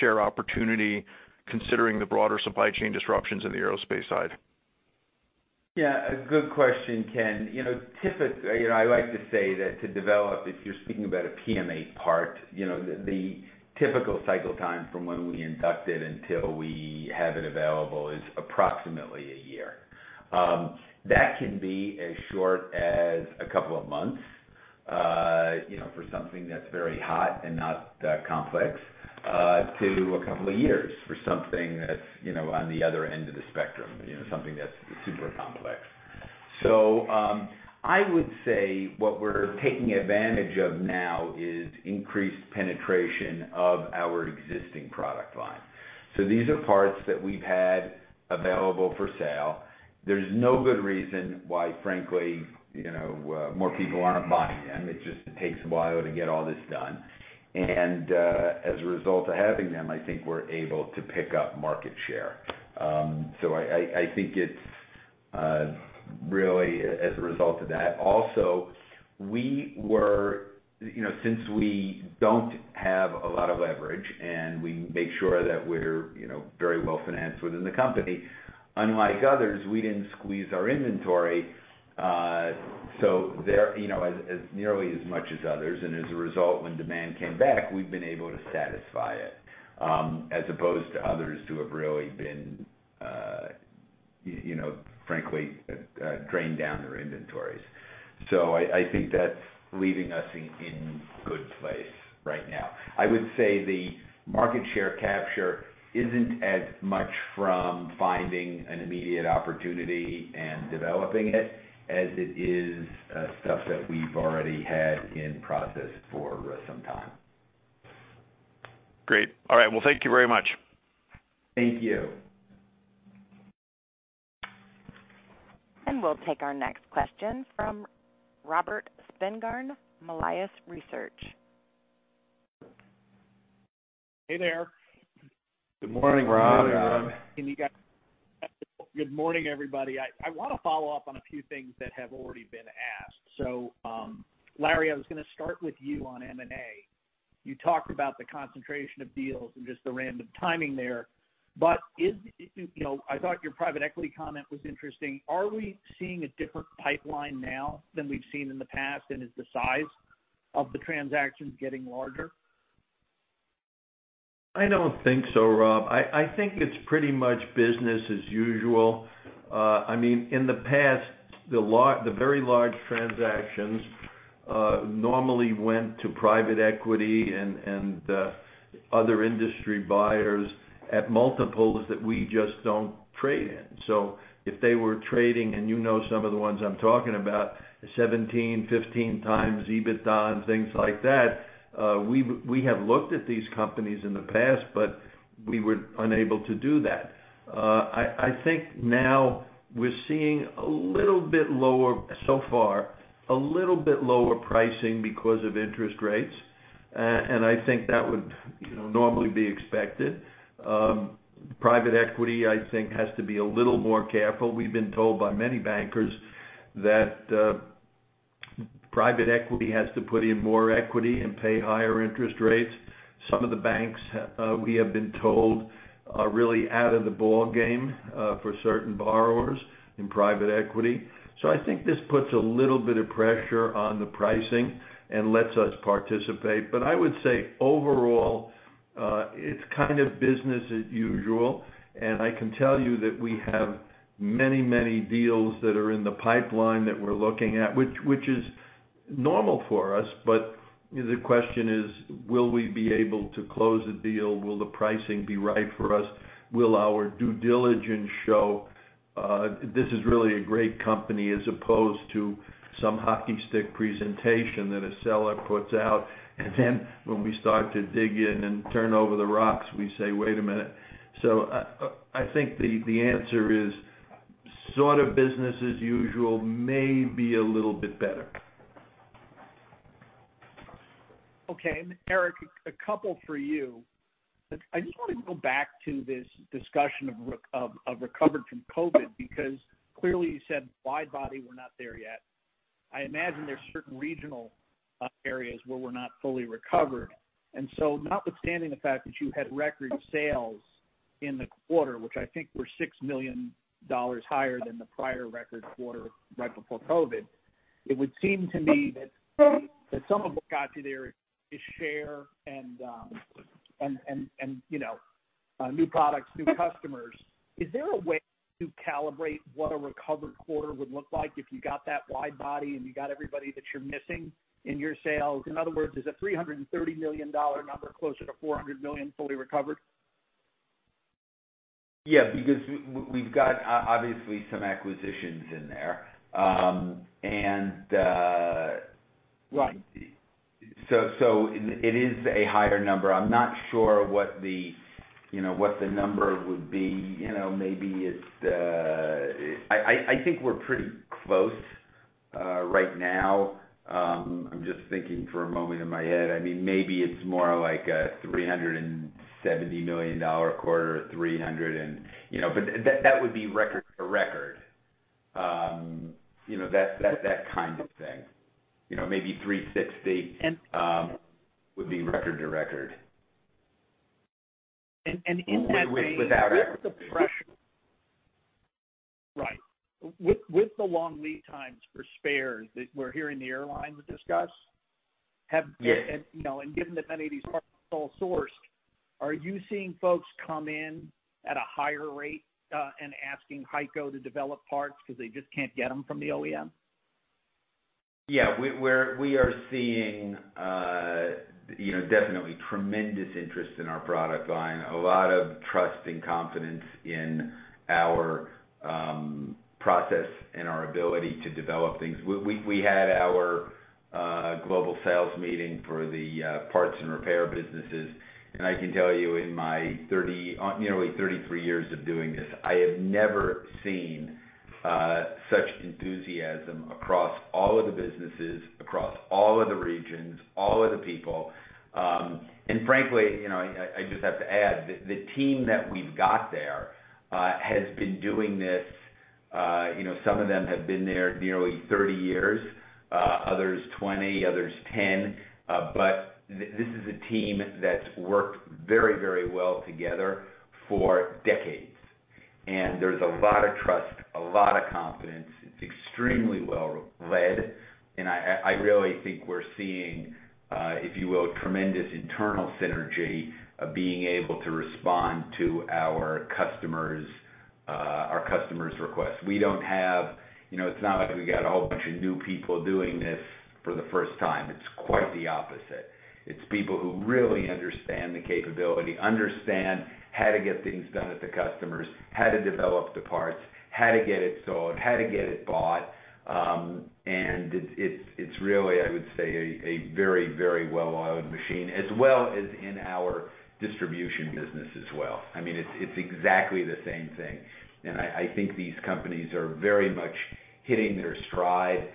share opportunity considering the broader supply chain disruptions in the aerospace side?
Yeah, a good question, Ken. You know, I like to say that to develop, if you're speaking about a PMA part, you know, the typical cycle time from when we induct it until we have it available is approximately a year. That can be as short as a couple of months, you know, for something that's very hot and not that complex, to a couple of years for something that's, you know, on the other end of the spectrum, you know, something that's super complex. I would say what we're taking advantage of now is increased penetration of our existing product line. These are parts that we've had available for sale. There's no good reason why, frankly, you know, more people aren't buying them. It just takes a while to get all this done. As a result of having them, I think we're able to pick up market share. I think it's really as a result of that. Also, you know, since we don't have a lot of leverage, and we make sure that we're, you know, very well-financed within the company, unlike others, we didn't squeeze our inventory, so there you know, as nearly as much as others. As a result, when demand came back, we've been able to satisfy it, as opposed to others who have really been. You know, frankly, drain down their inventories. I think that's leaving us in good place right now. I would say the market share capture isn't as much from finding an immediate opportunity and developing it as it is, stuff that we've already had in process for, some time.
Great. All right. Well, thank you very much.
Thank you.
We'll take our next question from Robert Spingarn, Melius Research.
Hey there.
Good morning, Rob.
Good morning, Rob.
Good morning, everybody. I wanna follow up on a few things that have already been asked. Larry, I was gonna start with you on M&A. You talked about the concentration of deals and just the random timing there. You know, I thought your private equity comment was interesting. Are we seeing a different pipeline now than we've seen in the past, and is the size of the transactions getting larger?
I don't think so, Rob. I think it's pretty much business as usual. I mean, in the past, the very large transactions normally went to private equity and other industry buyers at multiples that we just don't trade in. If they were trading, and you know some of the ones I'm talking about, 17, 15 times EBITDA and things like that, we have looked at these companies in the past, but we were unable to do that. I think now we're seeing a little bit lower pricing so far because of interest rates. I think that would, you know, normally be expected. Private equity, I think, has to be a little more careful. We've been told by many bankers that private equity has to put in more equity and pay higher interest rates. Some of the banks we have been told are really out of the ball game for certain borrowers in private equity. I think this puts a little bit of pressure on the pricing and lets us participate. I would say overall it's kind of business as usual. I can tell you that we have many deals that are in the pipeline that we're looking at, which is normal for us. The question is, will we be able to close the deal? Will the pricing be right for us? Will our due diligence show this is really a great company as opposed to some hockey stick presentation that a seller puts out, and then when we start to dig in and turn over the rocks, we say, "Wait a minute." I think the answer is sort of business as usual, maybe a little bit better.
Okay. Eric, a couple for you. I just wanna go back to this discussion of recovered from COVID, because clearly you said wide body, we're not there yet. I imagine there's certain regional areas where we're not fully recovered. Notwithstanding the fact that you had record sales in the quarter, which I think were $6 million higher than the prior record quarter right before COVID, it would seem to me that some of what got you there is share and, you know, new products, new customers. Is there a way to calibrate what a recovered quarter would look like if you got that wide body and you got everybody that you're missing in your sales? In other words, is a $330 million number closer to $400 million fully recovered?
Yeah, because we've got obviously some acquisitions in there.
Right.
It is a higher number. I'm not sure what the, you know, what the number would be. You know, maybe it's. I think we're pretty close right now. I'm just thinking for a moment in my head. I mean, maybe it's more like a $370 million quarter. You know, but that would be record to record. You know, that kind of thing. You know, maybe $360 million would be record to record.
And that vein-
With, without acquisition.
Right. With the long lead times for spares that we're hearing the airlines discuss, have-
Yeah.
You know, given that many of these parts are all sourced, are you seeing folks come in at a higher rate, and asking HEICO to develop parts 'cause they just can't get them from the OEM?
We are seeing, you know, definitely tremendous interest in our product line, a lot of trust and confidence in our process and our ability to develop things. We had our global sales meeting for the parts and repair businesses, and I can tell you in my nearly 33 years of doing this, I have never seen such enthusiasm across all of the businesses, across all of the regions, all of the people. Frankly, you know, I just have to add, the team that we've got there has been doing this, you know, some of them have been there nearly 30 years, others 20, others 10. This is a team that's worked very well together for decades, and there's a lot of trust, a lot of confidence. It's extremely well led, and I really think we're seeing, if you will, tremendous internal synergy of being able to respond to our customers', our customer's requests. We don't have. You know, it's not like we got a whole bunch of new people doing this for the first time. It's quite the opposite. It's people who really understand the capability, understand how to get things done at the customers, how to develop the parts, how to get it sold, how to get it bought. It's really, I would say, a very, very well-oiled machine as well as in our distribution business as well. I mean, it's exactly the same thing. I think these companies are very much hitting their stride.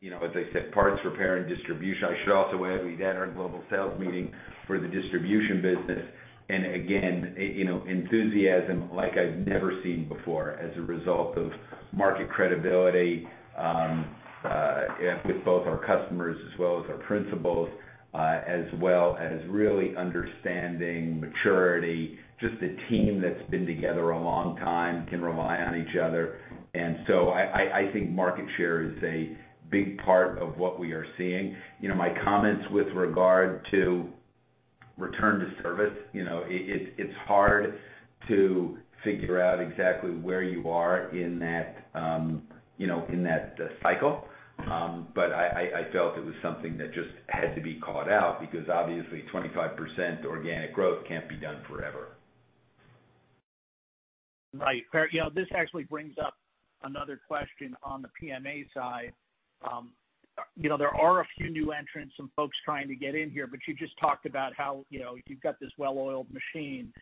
You know, as I said, parts repair and distribution. I should also add, we've had our global sales meeting for the distribution business. Again, you know, enthusiasm like I've never seen before as a result of market credibility, with both our customers as well as our principals, as well as really understanding maturity. Just a team that's been together a long time can rely on each other. I think market share is a big part of what we are seeing. You know, my comments with regard to return to service, you know, it's hard to figure out exactly where you are in that, you know, in that cycle. I felt it was something that just had to be called out because obviously 25% organic growth can't be done forever.
Right. Fair. You know, this actually brings up another question on the PMA side. You know, there are a few new entrants, some folks trying to get in here, but you just talked about how, you know, you've got this well-oiled machine.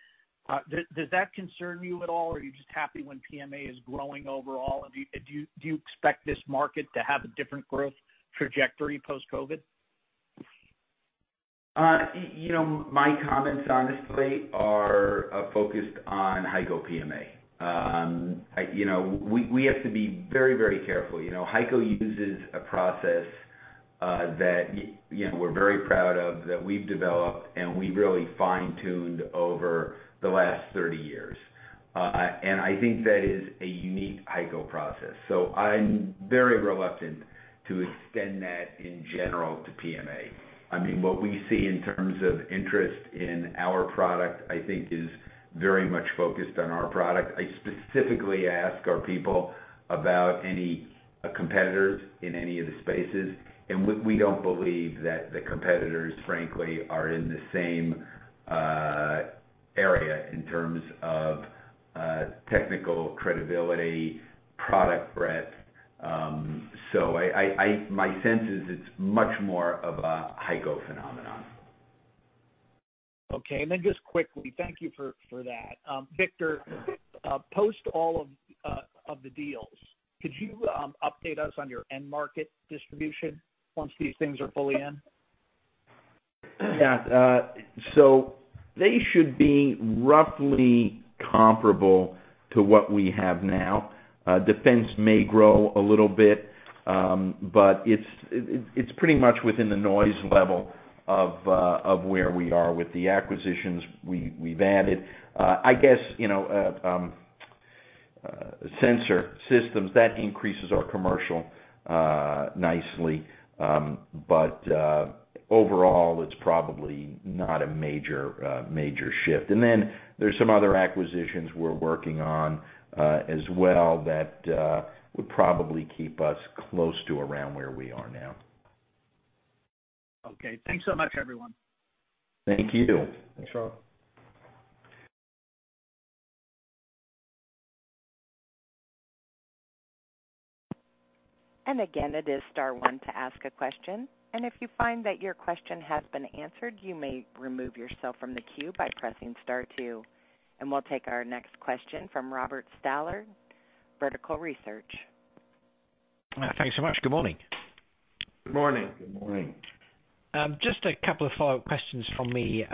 Does that concern you at all, or are you just happy when PMA is growing overall? Do you expect this market to have a different growth trajectory post-COVID-19?
You know, my comments honestly are focused on HEICO PMA. You know, we have to be very, very careful. You know, HEICO uses a process that we're very proud of, that we've developed, and we really fine-tuned over the last 30 years. I think that is a unique HEICO process. I'm very reluctant to extend that in general to PMA. I mean, what we see in terms of interest in our product, I think is very much focused on our product. I specifically ask our people about any competitors in any of the spaces, and we don't believe that the competitors, frankly, are in the same area in terms of technical credibility, product breadth. My sense is it's much more of a HEICO phenomenon.
Just quickly, thank you for that. Victor, post all of the deals, could you update us on your end market distribution once these things are fully in?
Yeah. So they should be roughly comparable to what we have now. Defense may grow a little bit, but it's pretty much within the noise level of where we are with the acquisitions we've added. I guess, you know, Sensor Systems, that increases our commercial nicely. Overall, it's probably not a major shift. Then there's some other acquisitions we're working on as well that would probably keep us close to around where we are now.
Okay. Thanks so much, everyone.
Thank you.
Thanks, Rob.
Again, it is star one to ask a question. If you find that your question has been answered, you may remove yourself from the queue by pressing star two. We'll take our next question from Robert Stallard, Vertical Research.
Thanks so much. Good morning.
Good morning.
Just a couple of follow-up questions from me.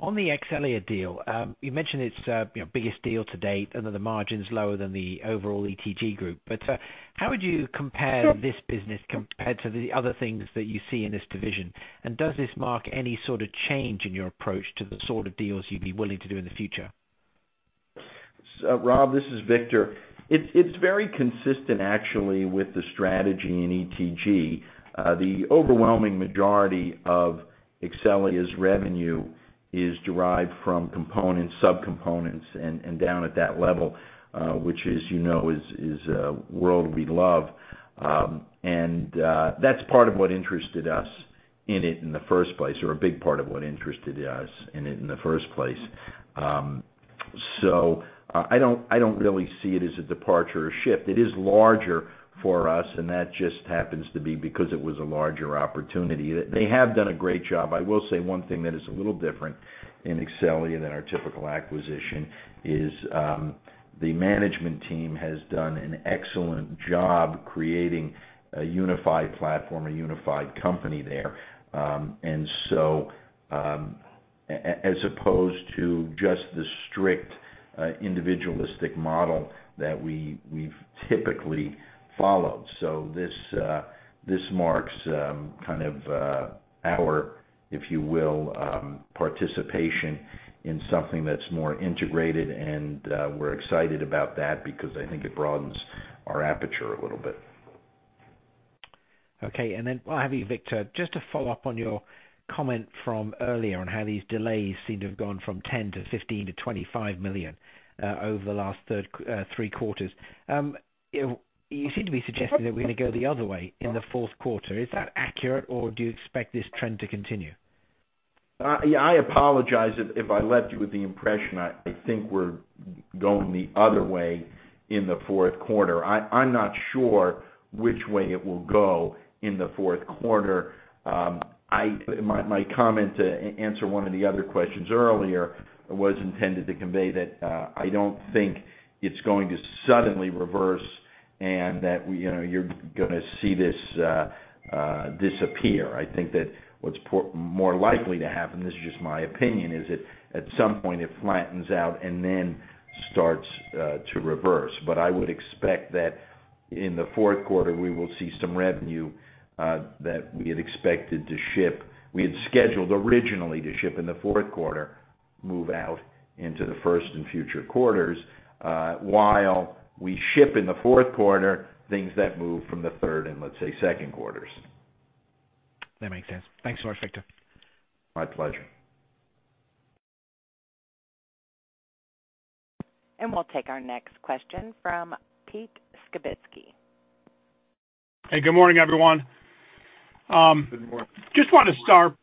On the Exxelia deal, you mentioned it's the biggest deal to date and that the margin's lower than the overall ETG group. How would you compare this business compared to the other things that you see in this division? Does this mark any sort of change in your approach to the sort of deals you'd be willing to do in the future?
Rob, this is Victor. It's very consistent actually, with the strategy in ETG. The overwhelming majority of Exxelia's revenue is derived from components, subcomponents, and down at that level, which as you know is a world we love. That's part of what interested us in it in the first place, or a big part of what interested us in it in the first place. I don't really see it as a departure or shift. It is larger for us, and that just happens to be because it was a larger opportunity. They have done a great job. I will say 1 thing that is a little different in Exxelia than our typical acquisition is, the management team has done an excellent job creating a unified platform, a unified company there. As opposed to just the strict individualistic model that we've typically followed. This marks kind of our, if you will, participation in something that's more integrated, and we're excited about that because I think it broadens our aperture a little bit.
While I have you, Victor, just to follow up on your comment from earlier on how these delays seem to have gone from $10 million to $15 million to $25 million over the last 3 quarters. You seem to be suggesting that we're gonna go the other way in the Q4. Is that accurate or do you expect this trend to continue?
Yeah, I apologize if I left you with the impression I think we're going the other way in the Q4. I'm not sure which way it will go in the Q4. My comment to answer one of the other questions earlier was intended to convey that I don't think it's going to suddenly reverse and that, you know, you're gonna see this disappear. I think that what's more likely to happen, this is just my opinion, is that at some point it flattens out and then starts to reverse. I would expect that in the Q4 we will see some revenue that we had expected to ship, we had scheduled originally to ship in the Q4, move out into the first and future quarters, while we ship in the Q4, things that move from the third and, let's say, Q2.
That makes sense. Thanks so much, Victor.
My pleasure.
We'll take our next question from Peter Skibitski.
Hey, good morning, everyone.
Good morning.
Just wanna start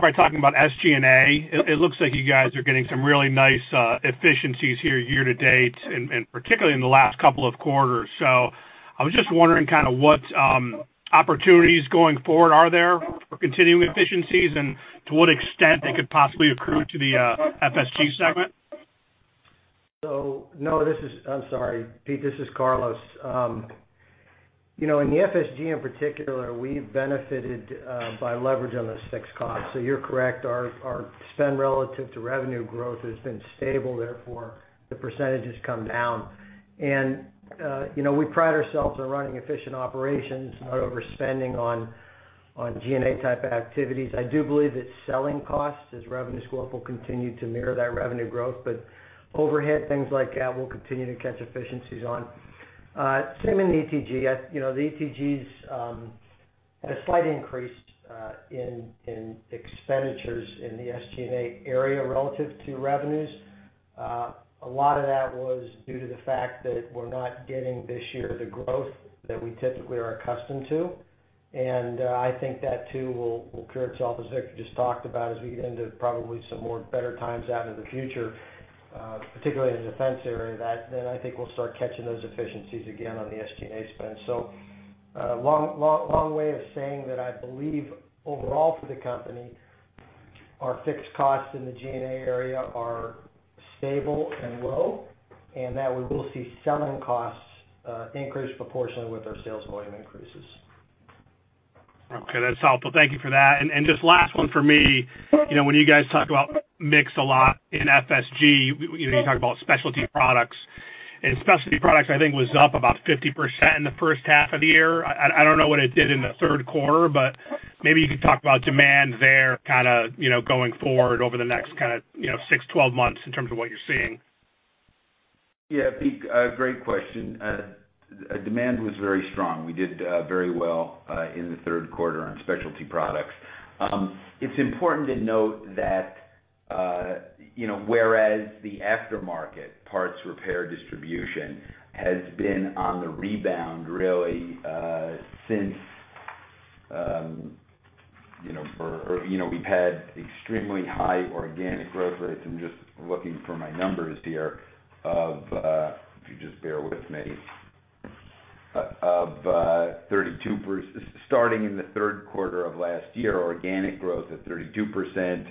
by talking about SG&A. It looks like you guys are getting some really nice efficiencies here year to date, and particularly in the last couple of quarters. I was just wondering kinda what opportunities going forward are there for continuing efficiencies and to what extent they could possibly accrue to the FSG segment?
No, I'm sorry, Pete, this is Carlos. You know, in the FSG in particular, we've benefited by leverage on the fixed costs. You're correct, our spend relative to revenue growth has been stable, therefore the percentages come down. You know, we pride ourselves on running efficient operations, not overspending on G&A type activities. I do believe that selling costs, as revenues go up, will continue to mirror that revenue growth. Overhead, things like that, we'll continue to catch efficiencies on. Same in the ETG. You know, the ETG had a slight increase in expenditures in the SG&A area relative to revenues. A lot of that was due to the fact that we're not getting this year the growth that we typically are accustomed to. I think that too will cure itself, as Victor just talked about, as we get into probably some more better times out in the future, particularly in the defense area, that then I think we'll start catching those efficiencies again on the SG&A spend. Long way of saying that I believe overall for the company, our fixed costs in the G&A area are stable and low, and that we will see selling costs increase proportionally with our sales volume increases.
Okay, that's helpful. Thank you for that. Just last 1 for me. You know, when you guys talk about mix a lot in FSG, you know, you talk about Specialty Products, and Specialty Products I think was up about 50% in the H1 of the year. I don't know what it did in the Q3, but maybe you could talk about demand there kinda, you know, going forward over the next kinda, you know, 6, 12 months in terms of what you're seeing.
Yeah, Pete, a great question. Demand was very strong. We did very well in the Q3 on Specialty Products. It's important to note that, you know, whereas the aftermarket parts repair distribution has been on the rebound really since, you know, we've had extremely high organic growth rates. I'm just looking for my numbers here. If you just bear with me. 32%. Starting in the Q3 of last year, organic growth at 32%,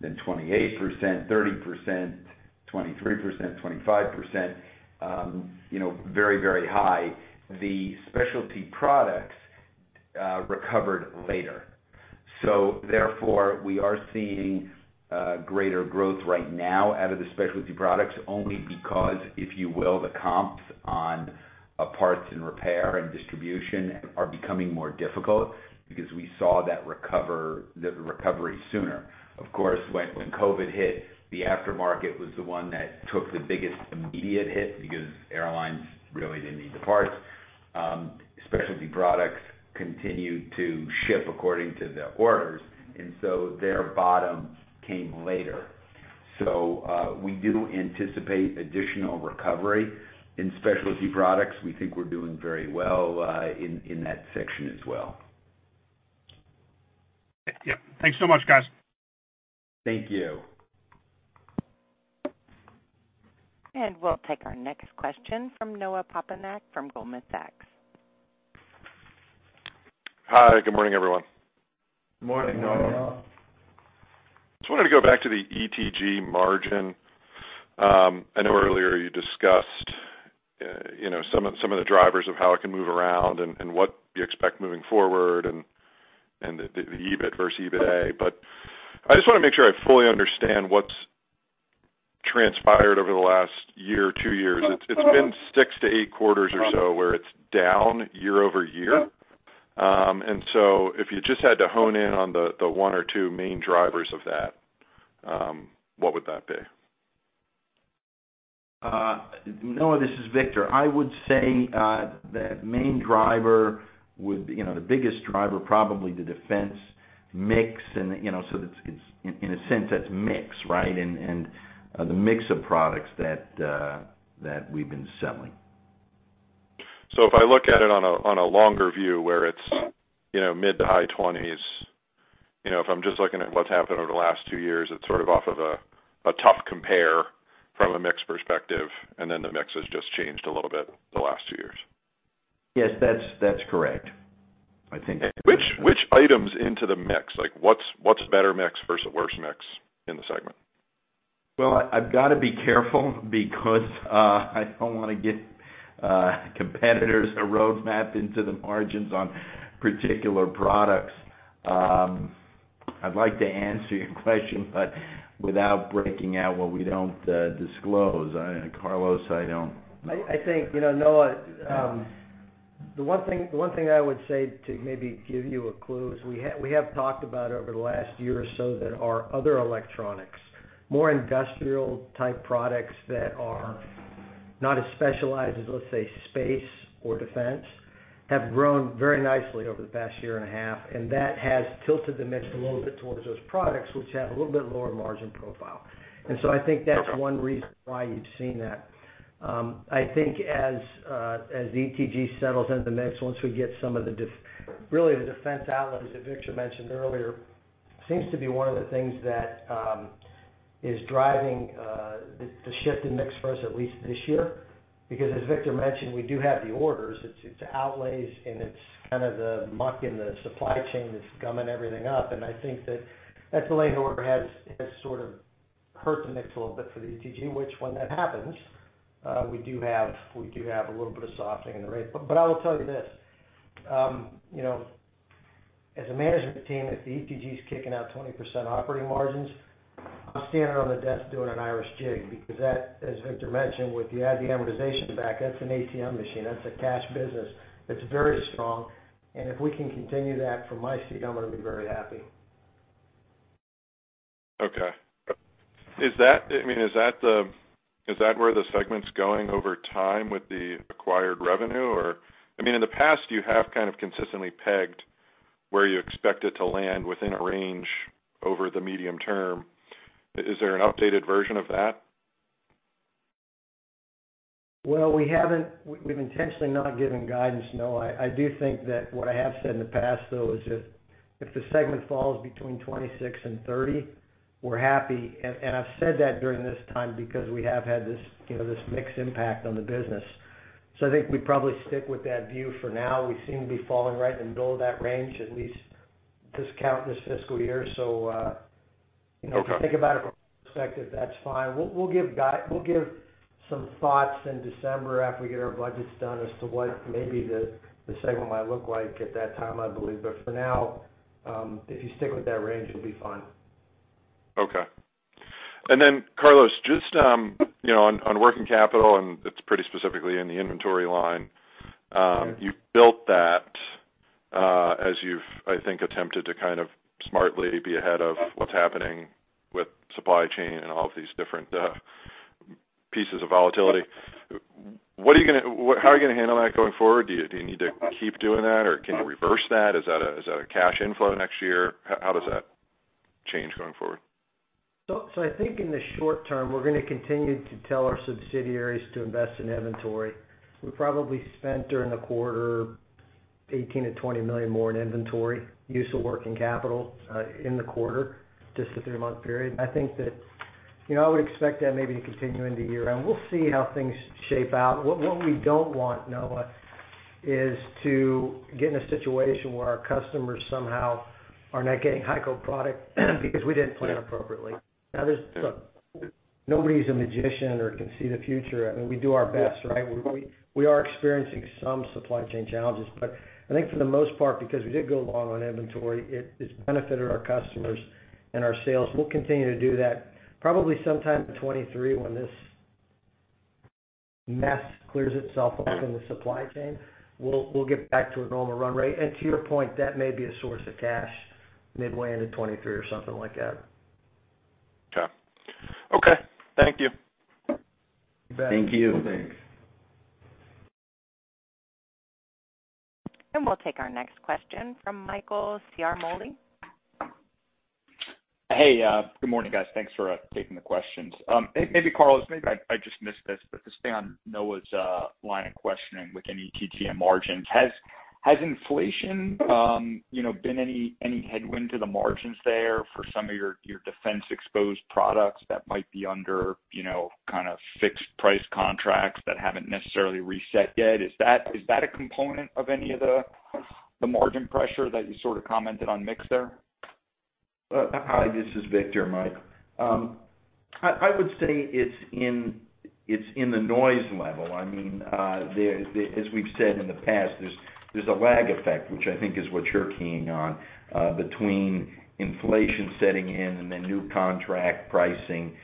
then 28%, 30%, 23%, 25%. You know, very, very high. The Specialty Products recovered later. Therefore, we are seeing greater growth right now out of the Specialty Products only because, if you will, the comps on parts and repair and distribution are becoming more difficult because we saw that recovery sooner. Of course, when COVID hit, the aftermarket was the one that took the biggest immediate hit because airlines really didn't need the parts. Specialty Products continued to ship according to the orders, and so their bottom came later. We do anticipate additional recovery in Specialty Products. We think we're doing very well in that section as well.
Yeah. Thanks so much, guys.
Thank you.
We'll take our next question from Noah Poponak from Goldman Sachs.
Hi. Good morning, everyone.
Morning, Noah.
Just wanted to go back to the ETG margin. I know earlier you discussed you know some of the drivers of how it can move around and what you expect moving forward and the EBIT versus EBITA. I just wanna make sure I fully understand what's transpired over the last year or 2 years. It's been 6 to 8 quarters or so where it's down year-over-year. If you just had to hone in on the 1 or 2 main drivers of that, what would that be?
Noah Poponak, this is Victor Mendelson. I would say, the main driver would, you know, the biggest driver probably the defense mix and, you know, so it's in a sense, that's mix, right? And the mix of products that that we've been selling.
If I look at it on a longer view where it's, you know, mid- to high-20's%, you know, if I'm just looking at what's happened over the last 2 years, it's sort of off of a tough compare from a mix perspective, and then the mix has just changed a little bit the last 2 years.
Yes, that's correct. I think that.
Which items into the mix? Like, what's better mix versus worse mix in the segment?
Well, I've gotta be careful because I don't wanna give competitors a roadmap into the margins on particular products. I'd like to answer your question, but without breaking out what we don't disclose. I don't know, Carlos.
I think, you know, Noah, the 1 thing I would say to maybe give you a clue is we have talked about over the last year or so that our other electronics, more industrial type products that are not as specialized as, let's say, space or defense, have grown very nicely over the past year and a half, and that has tilted the mix a little bit towards those products, which have a little bit lower margin profile. I think that's 1 reason why you've seen that. I think as ETG settles into the mix, once we get some of the really the defense outlet, as Victor mentioned earlier, seems to be one of the things that is driving the shift in mix for us at least this year. Because as Victor mentioned, we do have the orders. It's outlays and it's kind of the muck in the supply chain that's gumming everything up. I think that delayed order has sort of hurt the mix a little bit for the ETG, which when that happens, we do have a little bit of softening in the rate. I will tell you this, you know, as a management team, if the ETG's kicking out 20% operating margins, I'm standing on the desk doing an Irish jig because that, as Victor mentioned, if you add the amortization back, that's an ATM machine. That's a cash business. It's very strong. If we can continue that, from my seat, I'm gonna be very happy.
Okay. I mean, is that where the segment's going over time with the acquired revenue or, I mean, in the past, you have kind of consistently pegged where you expect it to land within a range over the medium term. Is there an updated version of that?
Well, we haven't. We've intentionally not given guidance, Noah. I do think that what I have said in the past, though, is if the segment falls between 26% to 30%, we're happy. I've said that during this time because we have had this, you know, this mix impact on the business. I think we probably stick with that view for now. We seem to be falling right in the middle of that range, at least this quarter, this fiscal year. You know,
Okay.
If you think about it from a perspective, that's fine. We'll give some thoughts in December after we get our budgets done as to what maybe the segment might look like at that time, I believe. For now, if you stick with that range, you'll be fine.
Okay. Then Carlos, just, you know, on working capital, and it's pretty specifically in the inventory line. You've built that, as you've, I think, attempted to kind of smartly be ahead of what's happening with supply chain and all of these different pieces of volatility. How are you gonna handle that going forward? Do you need to keep doing that or can you reverse that? Is that a cash inflow next year? How does that change going forward?
I think in the short term, we're gonna continue to tell our subsidiaries to invest in inventory. We probably spent, during the quarter, $18 million to $20 million more in inventory, use of working capital, in the quarter, just the 3-month period. I think that, you know, I would expect that maybe to continue into year-end. We'll see how things shake out. What we don't want, Noah, is to get in a situation where our customers somehow are not getting HEICO product because we didn't plan appropriately. Now, there's. Look, nobody's a magician or can see the future. I mean, we do our best, right? We are experiencing some supply chain challenges. I think for the most part, because we did go long on inventory, it's benefited our customers and our sales. We'll continue to do that probably sometime in 2023 when this mess clears itself up in the supply chain. We'll get back to a normal run rate. To your point, that may be a source of cash midway into 2023 or something like that.
Okay, thank you.
You bet.
Thank you.
Thanks.
We'll take our next question from Michael Ciarmoli.
Hey, good morning, guys. Thanks for taking the questions. Maybe Carlos, maybe I just missed this, but to stay on Noah's line of questioning with ETG margins. Has inflation, you know, been any headwind to the margins there for some of your defense exposed products that might be under, you know, kind of fixed price contracts that haven't necessarily reset yet? Is that a component of any of the margin pressure that you sort of commented on mix there?
Hi, this is Victor, Mike. I would say it's in the noise level. I mean, as we've said in the past, there's a lag effect, which I think is what you're keying on, between inflation setting in and then new contract pricing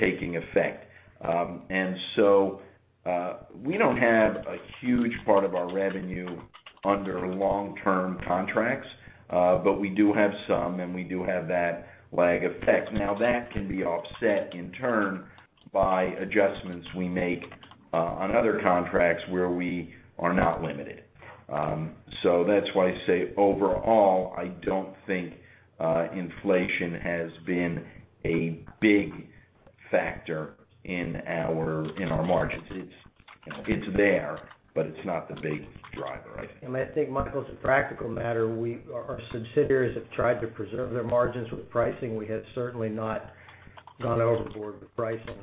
taking effect. We don't have a huge part of our revenue Under long-term contracts, but we do have some, and we do have that lag effect. Now, that can be offset in turn by adjustments we make on other contracts where we are not limited. That's why I say overall, I don't think inflation has been a big factor in our margins. It's, you know, it's there, but it's not the big driver, I think.
I think, Michael, as a practical matter, our subsidiaries have tried to preserve their margins with pricing. We have certainly not gone overboard with pricing,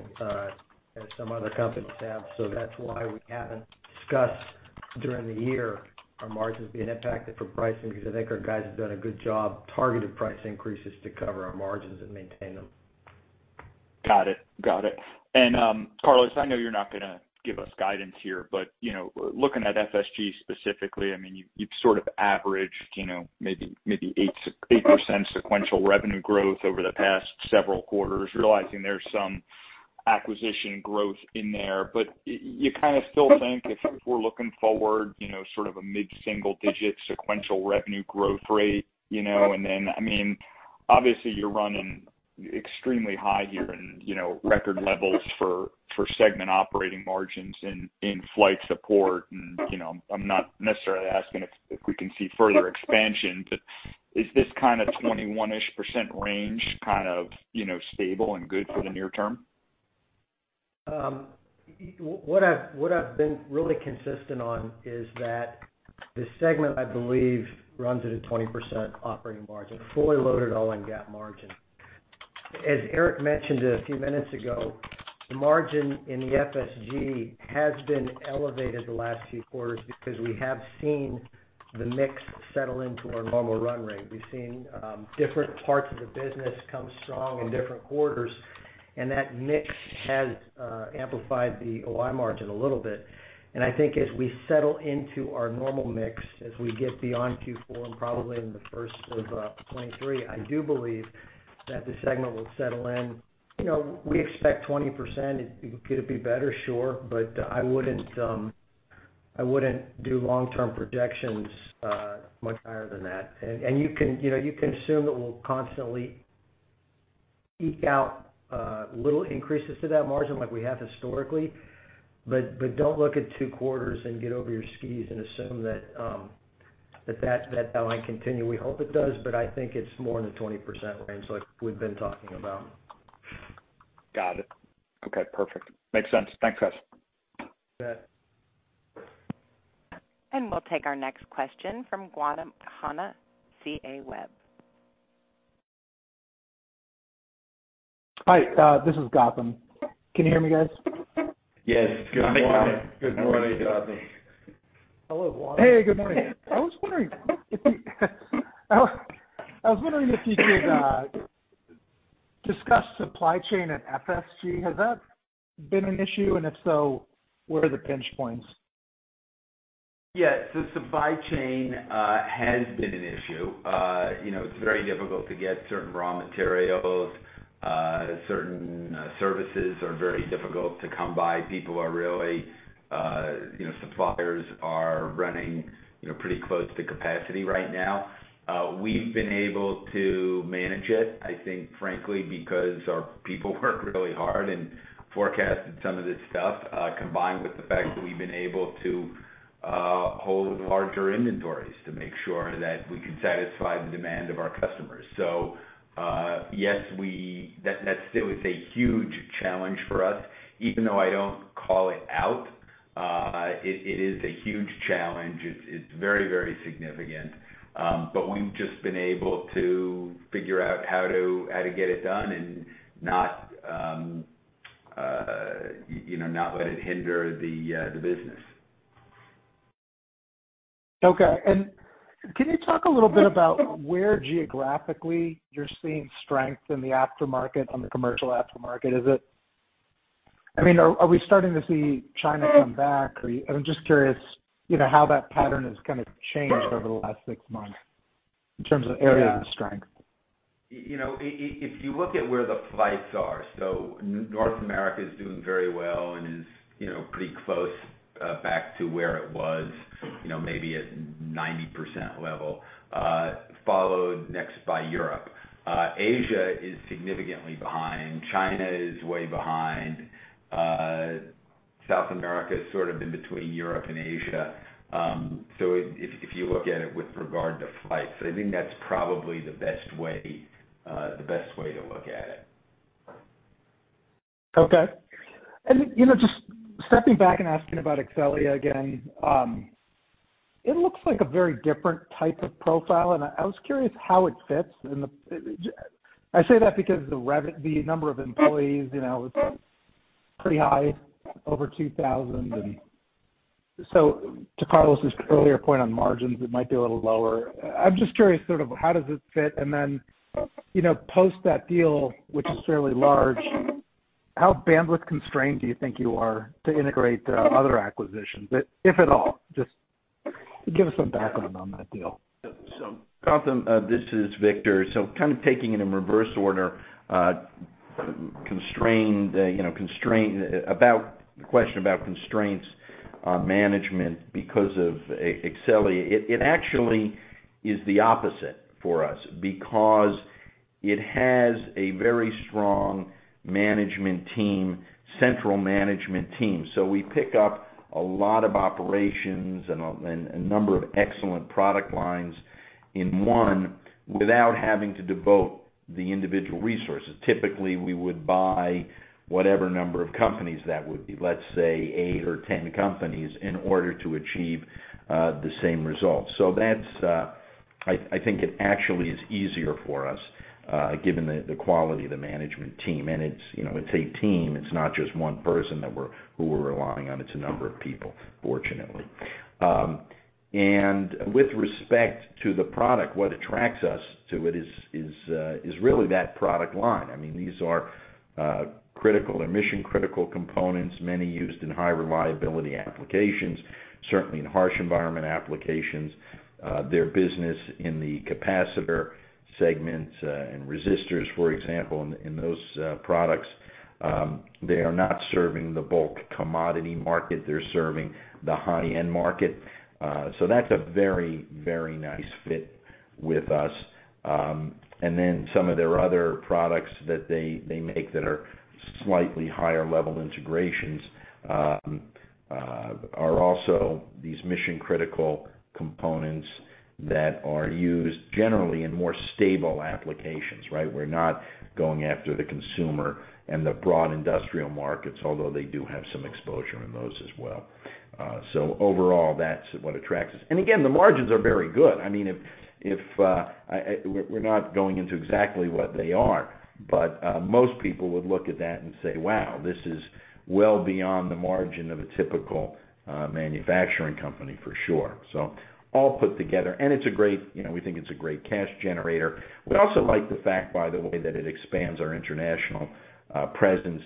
as some other companies have. That's why we haven't discussed during the year our margins being impacted from pricing, because I think our guys have done a good job, targeted price increases to cover our margins and maintain them.
Got it. Carlos, I know you're not gonna give us guidance here, but, you know, looking at FSG specifically, I mean, you've sort of averaged, you know, maybe 8% sequential revenue growth over the past several quarters, realizing there's some acquisition growth in there. You kind of still think if we're looking forward, you know, sort of a mid-single digit sequential revenue growth rate, you know? Then, I mean, obviously, you're running extremely high here and, you know, record levels for segment operating margins in flight support. I'm not necessarily asking if we can see further expansion. Is this kind of 21-ish% range kind of, you know, stable and good for the near term?
What I've been really consistent on is that the segment, I believe, runs at a 20% operating margin, fully loaded all-in-GAAP margin. As Eric mentioned a few minutes ago, the margin in the FSG has been elevated the last few quarters because we have seen the mix settle into our normal run rate. We've seen different parts of the business come strong in different quarters, and that mix has amplified the OI margin a little bit. I think as we settle into our normal mix, as we get beyond Q4 and probably in the Q1 of 2023, I do believe that the segment will settle in. You know, we expect 20%. Could it be better? Sure. I wouldn't do long-term projections much higher than that. You can, you know, you can assume that we'll constantly eke out little increases to that margin like we have historically, but don't look at 2 quarters and get over your skis and assume that that line continue. We hope it does, but I think it's more in the 20% range like we've been talking about.
Got it. Okay, perfect. Makes sense. Thanks, guys.
You bet.
We'll take our next question from Gautam Khanna, TD Cowen.
Hi, this is Gautam. Can you hear me, guys?
Yes. Good morning. Good morning, Gautam.
Hello, Gautam.
Hey, good morning. I was wondering if you could discuss supply chain at FSG. Has that been an issue, and if so, where are the pinch points?
Yes, the supply chain has been an issue. You know, it's very difficult to get certain raw materials. Certain services are very difficult to come by. People are really, you know, suppliers are running, you know, pretty close to capacity right now. We've been able to manage it, I think, frankly, because our people work really hard and forecasted some of this stuff, combined with the fact that we've been able to hold larger inventories to make sure that we can satisfy the demand of our customers. Yes, that still is a huge challenge for us. Even though I don't call it out, it is a huge challenge. It's very, very significant. We've just been able to figure out how to get it done and not, you know, let it hinder the business.
Okay. Can you talk a little bit about where geographically you're seeing strength in the aftermarket, on the commercial aftermarket? I mean, are we starting to see China come back? I'm just curious, you know, how that pattern has kind of changed over the last 6 months in terms of areas of strength.
You know, if you look at where the flights are, so North America is doing very well and is, you know, pretty close back to where it was, you know, maybe at 90% level, followed next by Europe. Asia is significantly behind. China is way behind. South America is sort of in between Europe and Asia. If you look at it with regard to flights, I think that's probably the best way to look at it.
Okay. You know, just stepping back and asking about Exxelia again, it looks like a very different type of profile, and I was curious how it fits. I say that because the number of employees, you know, is pretty high, over 2,000. To Carlos' earlier point on margins, it might be a little lower. I'm just curious sort of how does it fit? Then, you know, post that deal, which is fairly large, how bandwidth constrained do you think you are to integrate other acquisitions, if at all? Just give us some background on that deal.
Gautam, this is Victor. Kind of taking it in reverse order.
The question about constraints on management because of Exxelia. It actually is the opposite for us because it has a very strong management team, central management team. We pick up a lot of operations and a number of excellent product lines in 1 without having to devote the individual resources. Typically, we would buy whatever number of companies that would be, let's say 8 or 10 companies, in order to achieve the same results. That's, I think it actually is easier for us, given the quality of the management team. It's a team, it's not just 1 person who we're relying on. It's a number of people, fortunately. With respect to the product, what attracts us to it is really that product line. I mean, these are critical and mission-critical components, many used in high reliability applications, certainly in harsh environment applications. Their business in the capacitor segments and resistors, for example, in those products, they are not serving the bulk commodity market. They're serving the high-end market. That's a very, very nice fit with us. Some of their other products that they make that are slightly higher level integrations are also these mission-critical components that are used generally in more stable applications, right? We're not going after the consumer and the broad industrial markets, although they do have some exposure in those as well. Overall, that's what attracts us. Again, the margins are very good. I mean, if we're not going into exactly what they are, but most people would look at that and say, "Wow, this is well beyond the margin of a typical manufacturing company," for sure. All put together. It's a great, you know, we think it's a great cash generator. We also like the fact, by the way, that it expands our international presence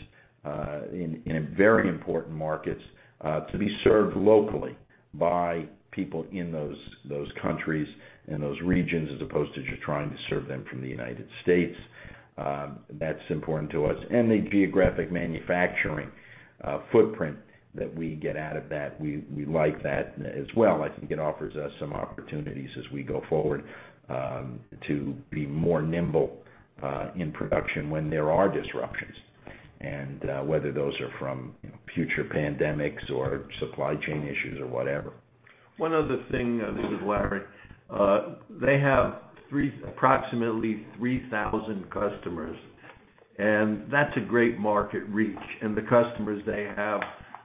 in very important markets to be served locally by people in those countries and those regions, as opposed to just trying to serve them from the United States. That's important to us. The geographic manufacturing footprint that we get out of that, we like that as well. I think it offers us some opportunities as we go forward to be more nimble in production when there are disruptions. whether those are from future pandemics or supply chain issues or whatever.
1 other thing, this is Larry. They have approximately 3,000 customers, and that's a great market reach. The customers they have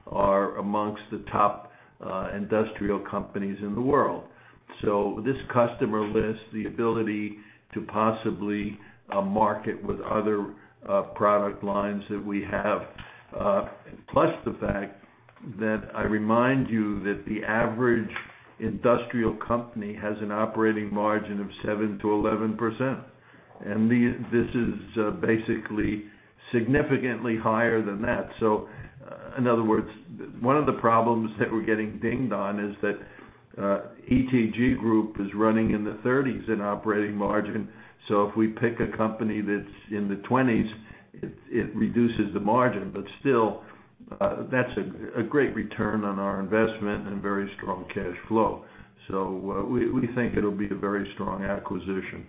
are among the top industrial companies in the world. This customer list, the ability to possibly market with other product lines that we have, plus the fact that I remind you that the average industrial company has an operating margin of 7% to 1%. This is basically significantly higher than that. In other words, one of the problems that we're getting dinged on is that ETG group is running in the 30s% in operating margin. If we pick a company that's in the 20s%, it reduces the margin. Still, that's a great return on our investment and very strong cash flow. We think it'll be a very strong acquisition.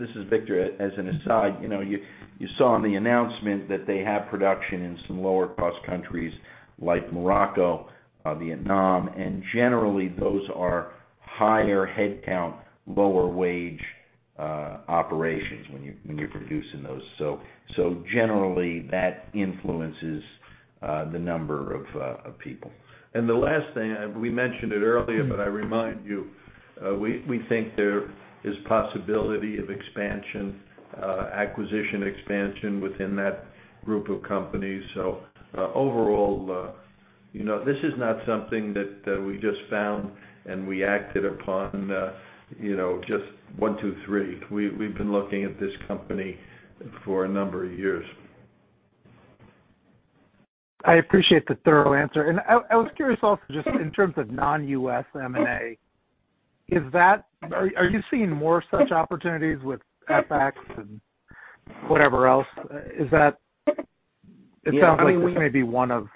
This is Victor. As an aside, you know, you saw in the announcement that they have production in some lower cost countries like Morocco, Vietnam, and generally, those are higher headcount, lower wage operations when you're producing those. Generally, that influences the number of people.
The last thing, we mentioned it earlier, but I remind you, we think there is possibility of expansion, acquisition expansion within that group of companies. Overall, you know, this is not something that we just found and we acted upon, you know, just 1, 2, 3. We've been looking at this company for a number of years.
I appreciate the thorough answer. I was curious also just in terms of non-US M&A. Are you seeing more such opportunities with FX and whatever else?
Yeah, I mean.
It sounds like this may be 1 or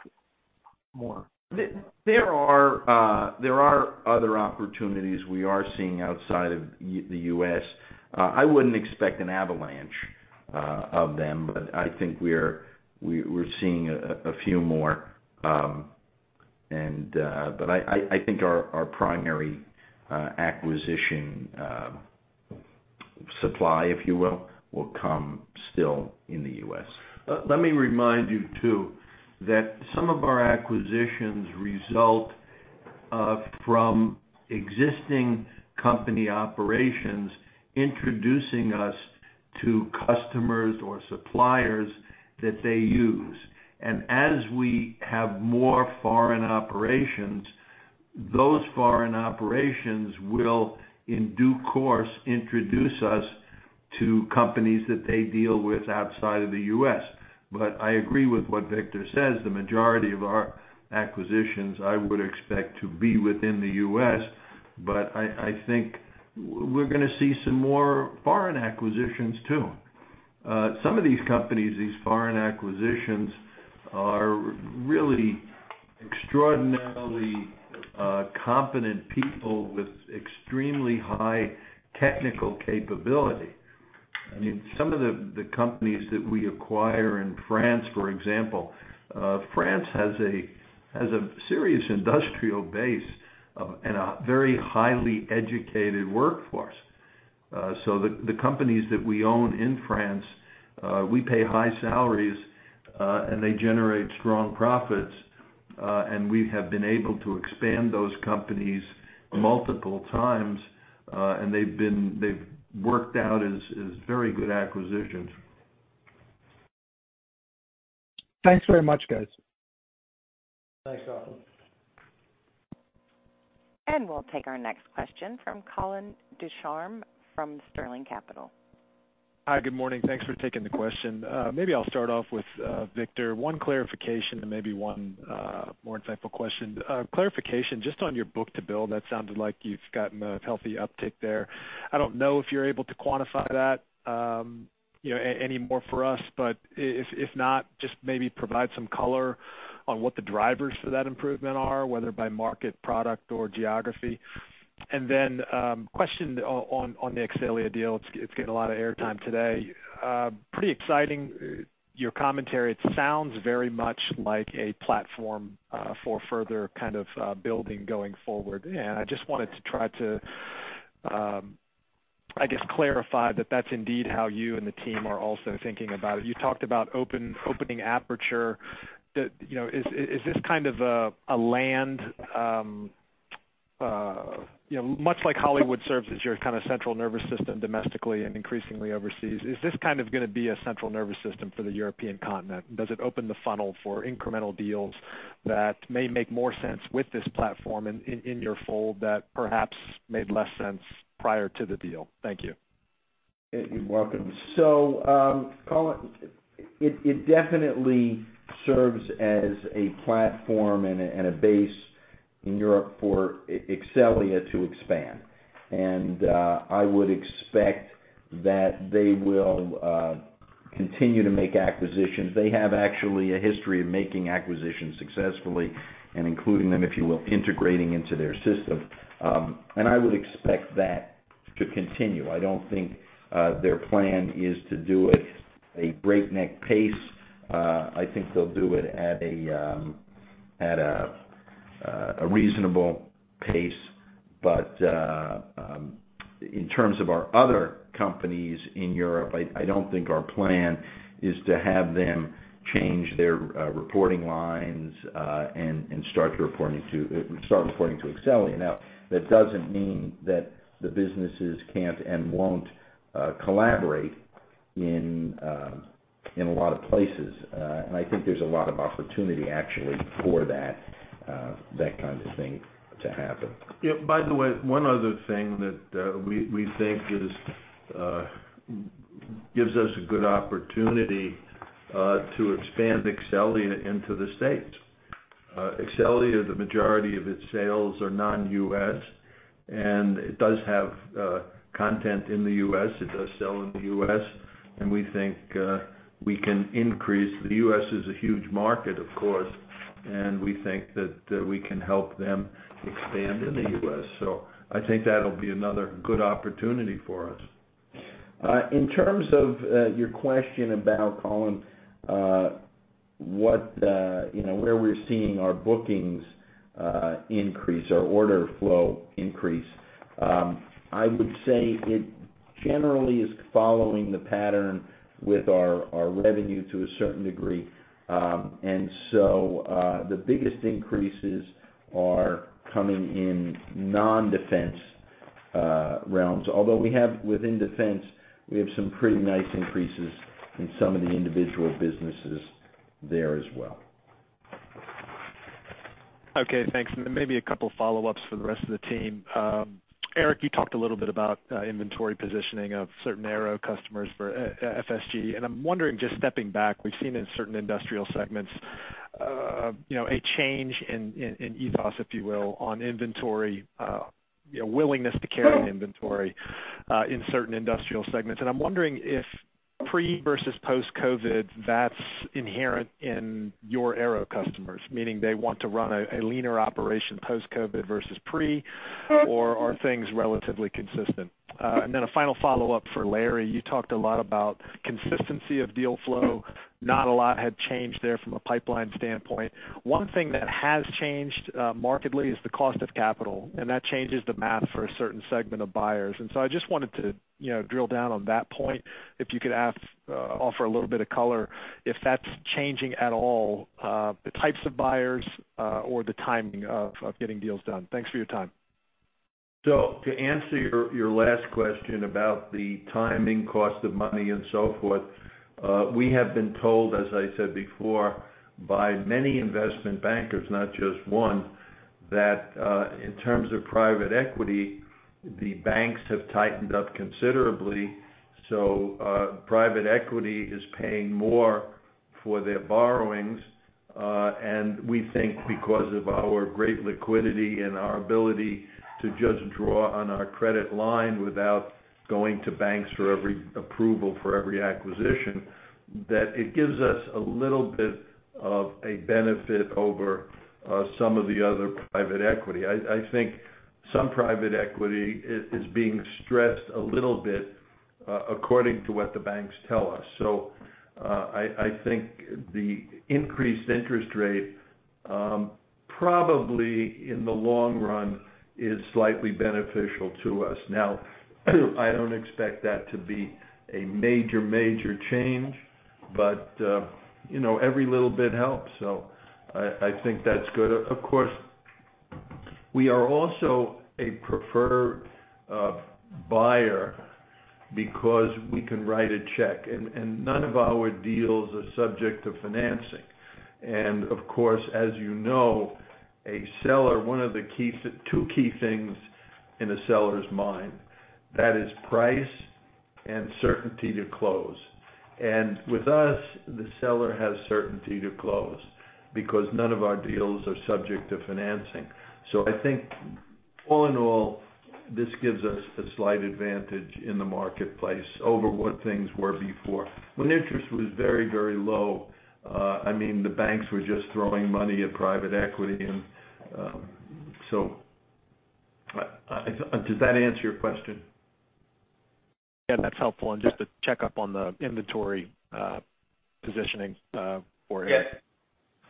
more.
There are other opportunities we are seeing outside of the US. I wouldn't expect an avalanche of them, but I think we're seeing a few more. I think our primary acquisition supply, if you will come still in the US. Let me remind you too, that some of our acquisitions result from existing company operations introducing us to customers or suppliers that they use. As we have more foreign operations, those foreign operations will, in due course, introduce us to companies that they deal with outside of the US. I agree with what Victor says. The majority of our acquisitions, I would expect to be within the US. I think we're gonna see some more foreign acquisitions too. Some of these companies, these foreign acquisitions, are really extraordinarily competent people with extremely high technical capability. I mean, some of the companies that we acquire in France, for example, France has a serious industrial base and a very highly educated workforce. The companies that we own in France, we pay high salaries, and they generate strong profits. We have been able to expand those companies multiple times. They've worked out as very good acquisitions.
Thanks very much, guys.
Thanks, Gautam.
We'll take our next question from Colin Ducharme from Sterling Capital.
Hi, good morning. Thanks for taking the question. Maybe I'll start off with Victor, 1 clarification and maybe 1 more insightful question. Clarification just on your book-to-bill. That sounded like you've gotten a healthy uptick there. I don't know if you're able to quantify that, you know, any more for us, but if not, just maybe provide some color on what the drivers for that improvement are, whether by market, product, or geography. Then, question on the Exxelia deal. It's getting a lot of airtime today. Pretty exciting, your commentary. It sounds very much like a platform for further kind of building going forward. I just wanted to try to, I guess, clarify that that's indeed how you and the team are also thinking about it. You talked about opening aperture. You know, is this kind of an island, you know, much like Hollywood serves as your kind of central nervous system domestically and increasingly overseas, is this kind of gonna be a central nervous system for the European continent? Does it open the funnel for incremental deals that may make more sense with this platform in your fold that perhaps made less sense prior to the deal? Thank you.
You're welcome. Colin, it definitely serves as a platform and a base in Europe for Exxelia to expand. I would expect that they will continue to make acquisitions. They have actually a history of making acquisitions successfully and including them, if you will, integrating into their system. I would expect that to continue. I don't think their plan is to do it at a breakneck pace. I think they'll do it at a reasonable pace. In terms of our other companies in Europe, I don't think our plan is to have them change their reporting lines and start reporting to Exxelia. Now, that doesn't mean that the businesses can't and won't collaborate in a lot of places. I think there's a lot of opportunity actually for that kind of thing to happen.
Yeah, by the way, one other thing that we think gives us a good opportunity to expand Exxelia into the States. Exxelia, the majority of its sales are non-U.S., and it does have content in the U.S. It does sell in the U.S. We think we can increase. The U.S. is a huge market, of course, and we think that we can help them expand in the U.S. I think that'll be another good opportunity for us.
In terms of your question about Colin, what you know, where we're seeing our bookings increase, our order flow increase, I would say it generally is following the pattern with our revenue to a certain degree. The biggest increases are coming in non-defense realms. Although we have within defense some pretty nice increases in some of the individual businesses there as well.
Okay, thanks. Then maybe a couple follow-ups for the rest of the team. Eric, you talked a little bit about inventory positioning of certain Aero customers for FSG. I'm wondering, just stepping back, we've seen in certain industrial segments, you know, a change in ethos, if you will, on inventory, you know, willingness to carry inventory in certain industrial segments. I'm wondering if pre versus post-COVID, that's inherent in your Aero customers, meaning they want to run a leaner operation post-COVID versus pre, or are things relatively consistent? Then a final follow-up for Larry. You talked a lot about consistency of deal flow. Not a lot had changed there from a pipeline standpoint. One thing that has changed markedly is the cost of capital, and that changes the math for a certain segment of buyers. I just wanted to, you know, drill down on that point, if you could offer a little bit of color, if that's changing at all, the types of buyers, or the timing of getting deals done. Thanks for your time.
To answer your last question about the timing, cost of money, and so forth, we have been told, as I said before, by many investment bankers, not just one, that, in terms of private equity, the banks have tightened up considerably. Private equity is paying more.
For their borrowings, and we think because of our great liquidity and our ability to just draw on our credit line without going to banks for every approval for every acquisition, that it gives us a little bit of a benefit over some of the other private equity. I think some private equity is being stressed a little bit, according to what the banks tell us. I think the increased interest rate probably in the long run is slightly beneficial to us. Now, I don't expect that to be a major change, but you know, every little bit helps. I think that's good. Of course, we are also a preferred buyer because we can write a check and none of our deals are subject to financing. Of course, as you know, a seller, 1 of the 2 key things in a seller's mind, that is price and certainty to close. With us, the seller has certainty to close because none of our deals are subject to financing. I think all in all, this gives us a slight advantage in the marketplace over what things were before, when interest was very, very low. I mean, the banks were just throwing money at private equity. Does that answer your question?
Yeah, that's helpful. Just to check up on the inventory positioning for-
Yes.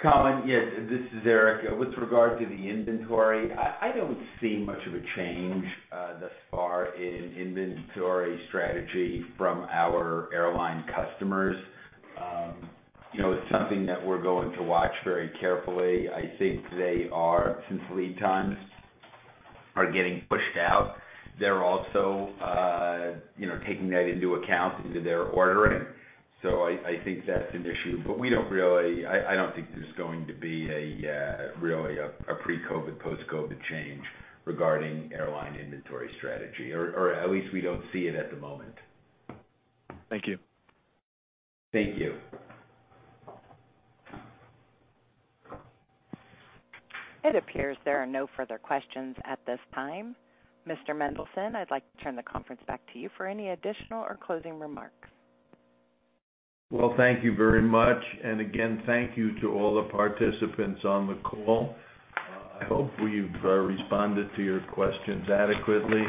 Colin, yes, this is Eric. With regard to the inventory, I don't see much of a change thus far in inventory strategy from our airline customers. You know, it's something that we're going to watch very carefully. I think they are, since lead times are getting pushed out, they're also, you know, taking that into account into their ordering. I think that's an issue, but we don't really. I don't think there's going to be a really pre-COVID, post-COVID change regarding airline inventory strategy or at least we don't see it at the moment.
Thank you.
Thank you.
It appears there are no further questions at this time. Mr. Mendelson, I'd like to turn the conference back to you for any additional or closing remarks.
Well, thank you very much. Again, thank you to all the participants on the call. I hope we've responded to your questions adequately.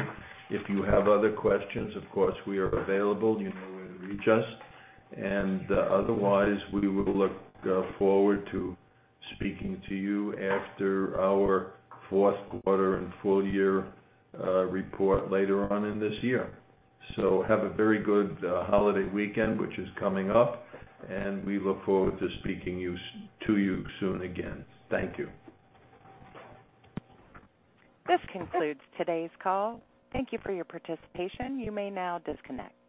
If you have other questions, of course, we are available. You know where to reach us. Otherwise, we will look forward to speaking to you after our Q4 and full year report later on in this year. Have a very good holiday weekend which is coming up, and we look forward to speaking to you soon again. Thank you.
This concludes today's call. Thank you for your participation. You may now disconnect.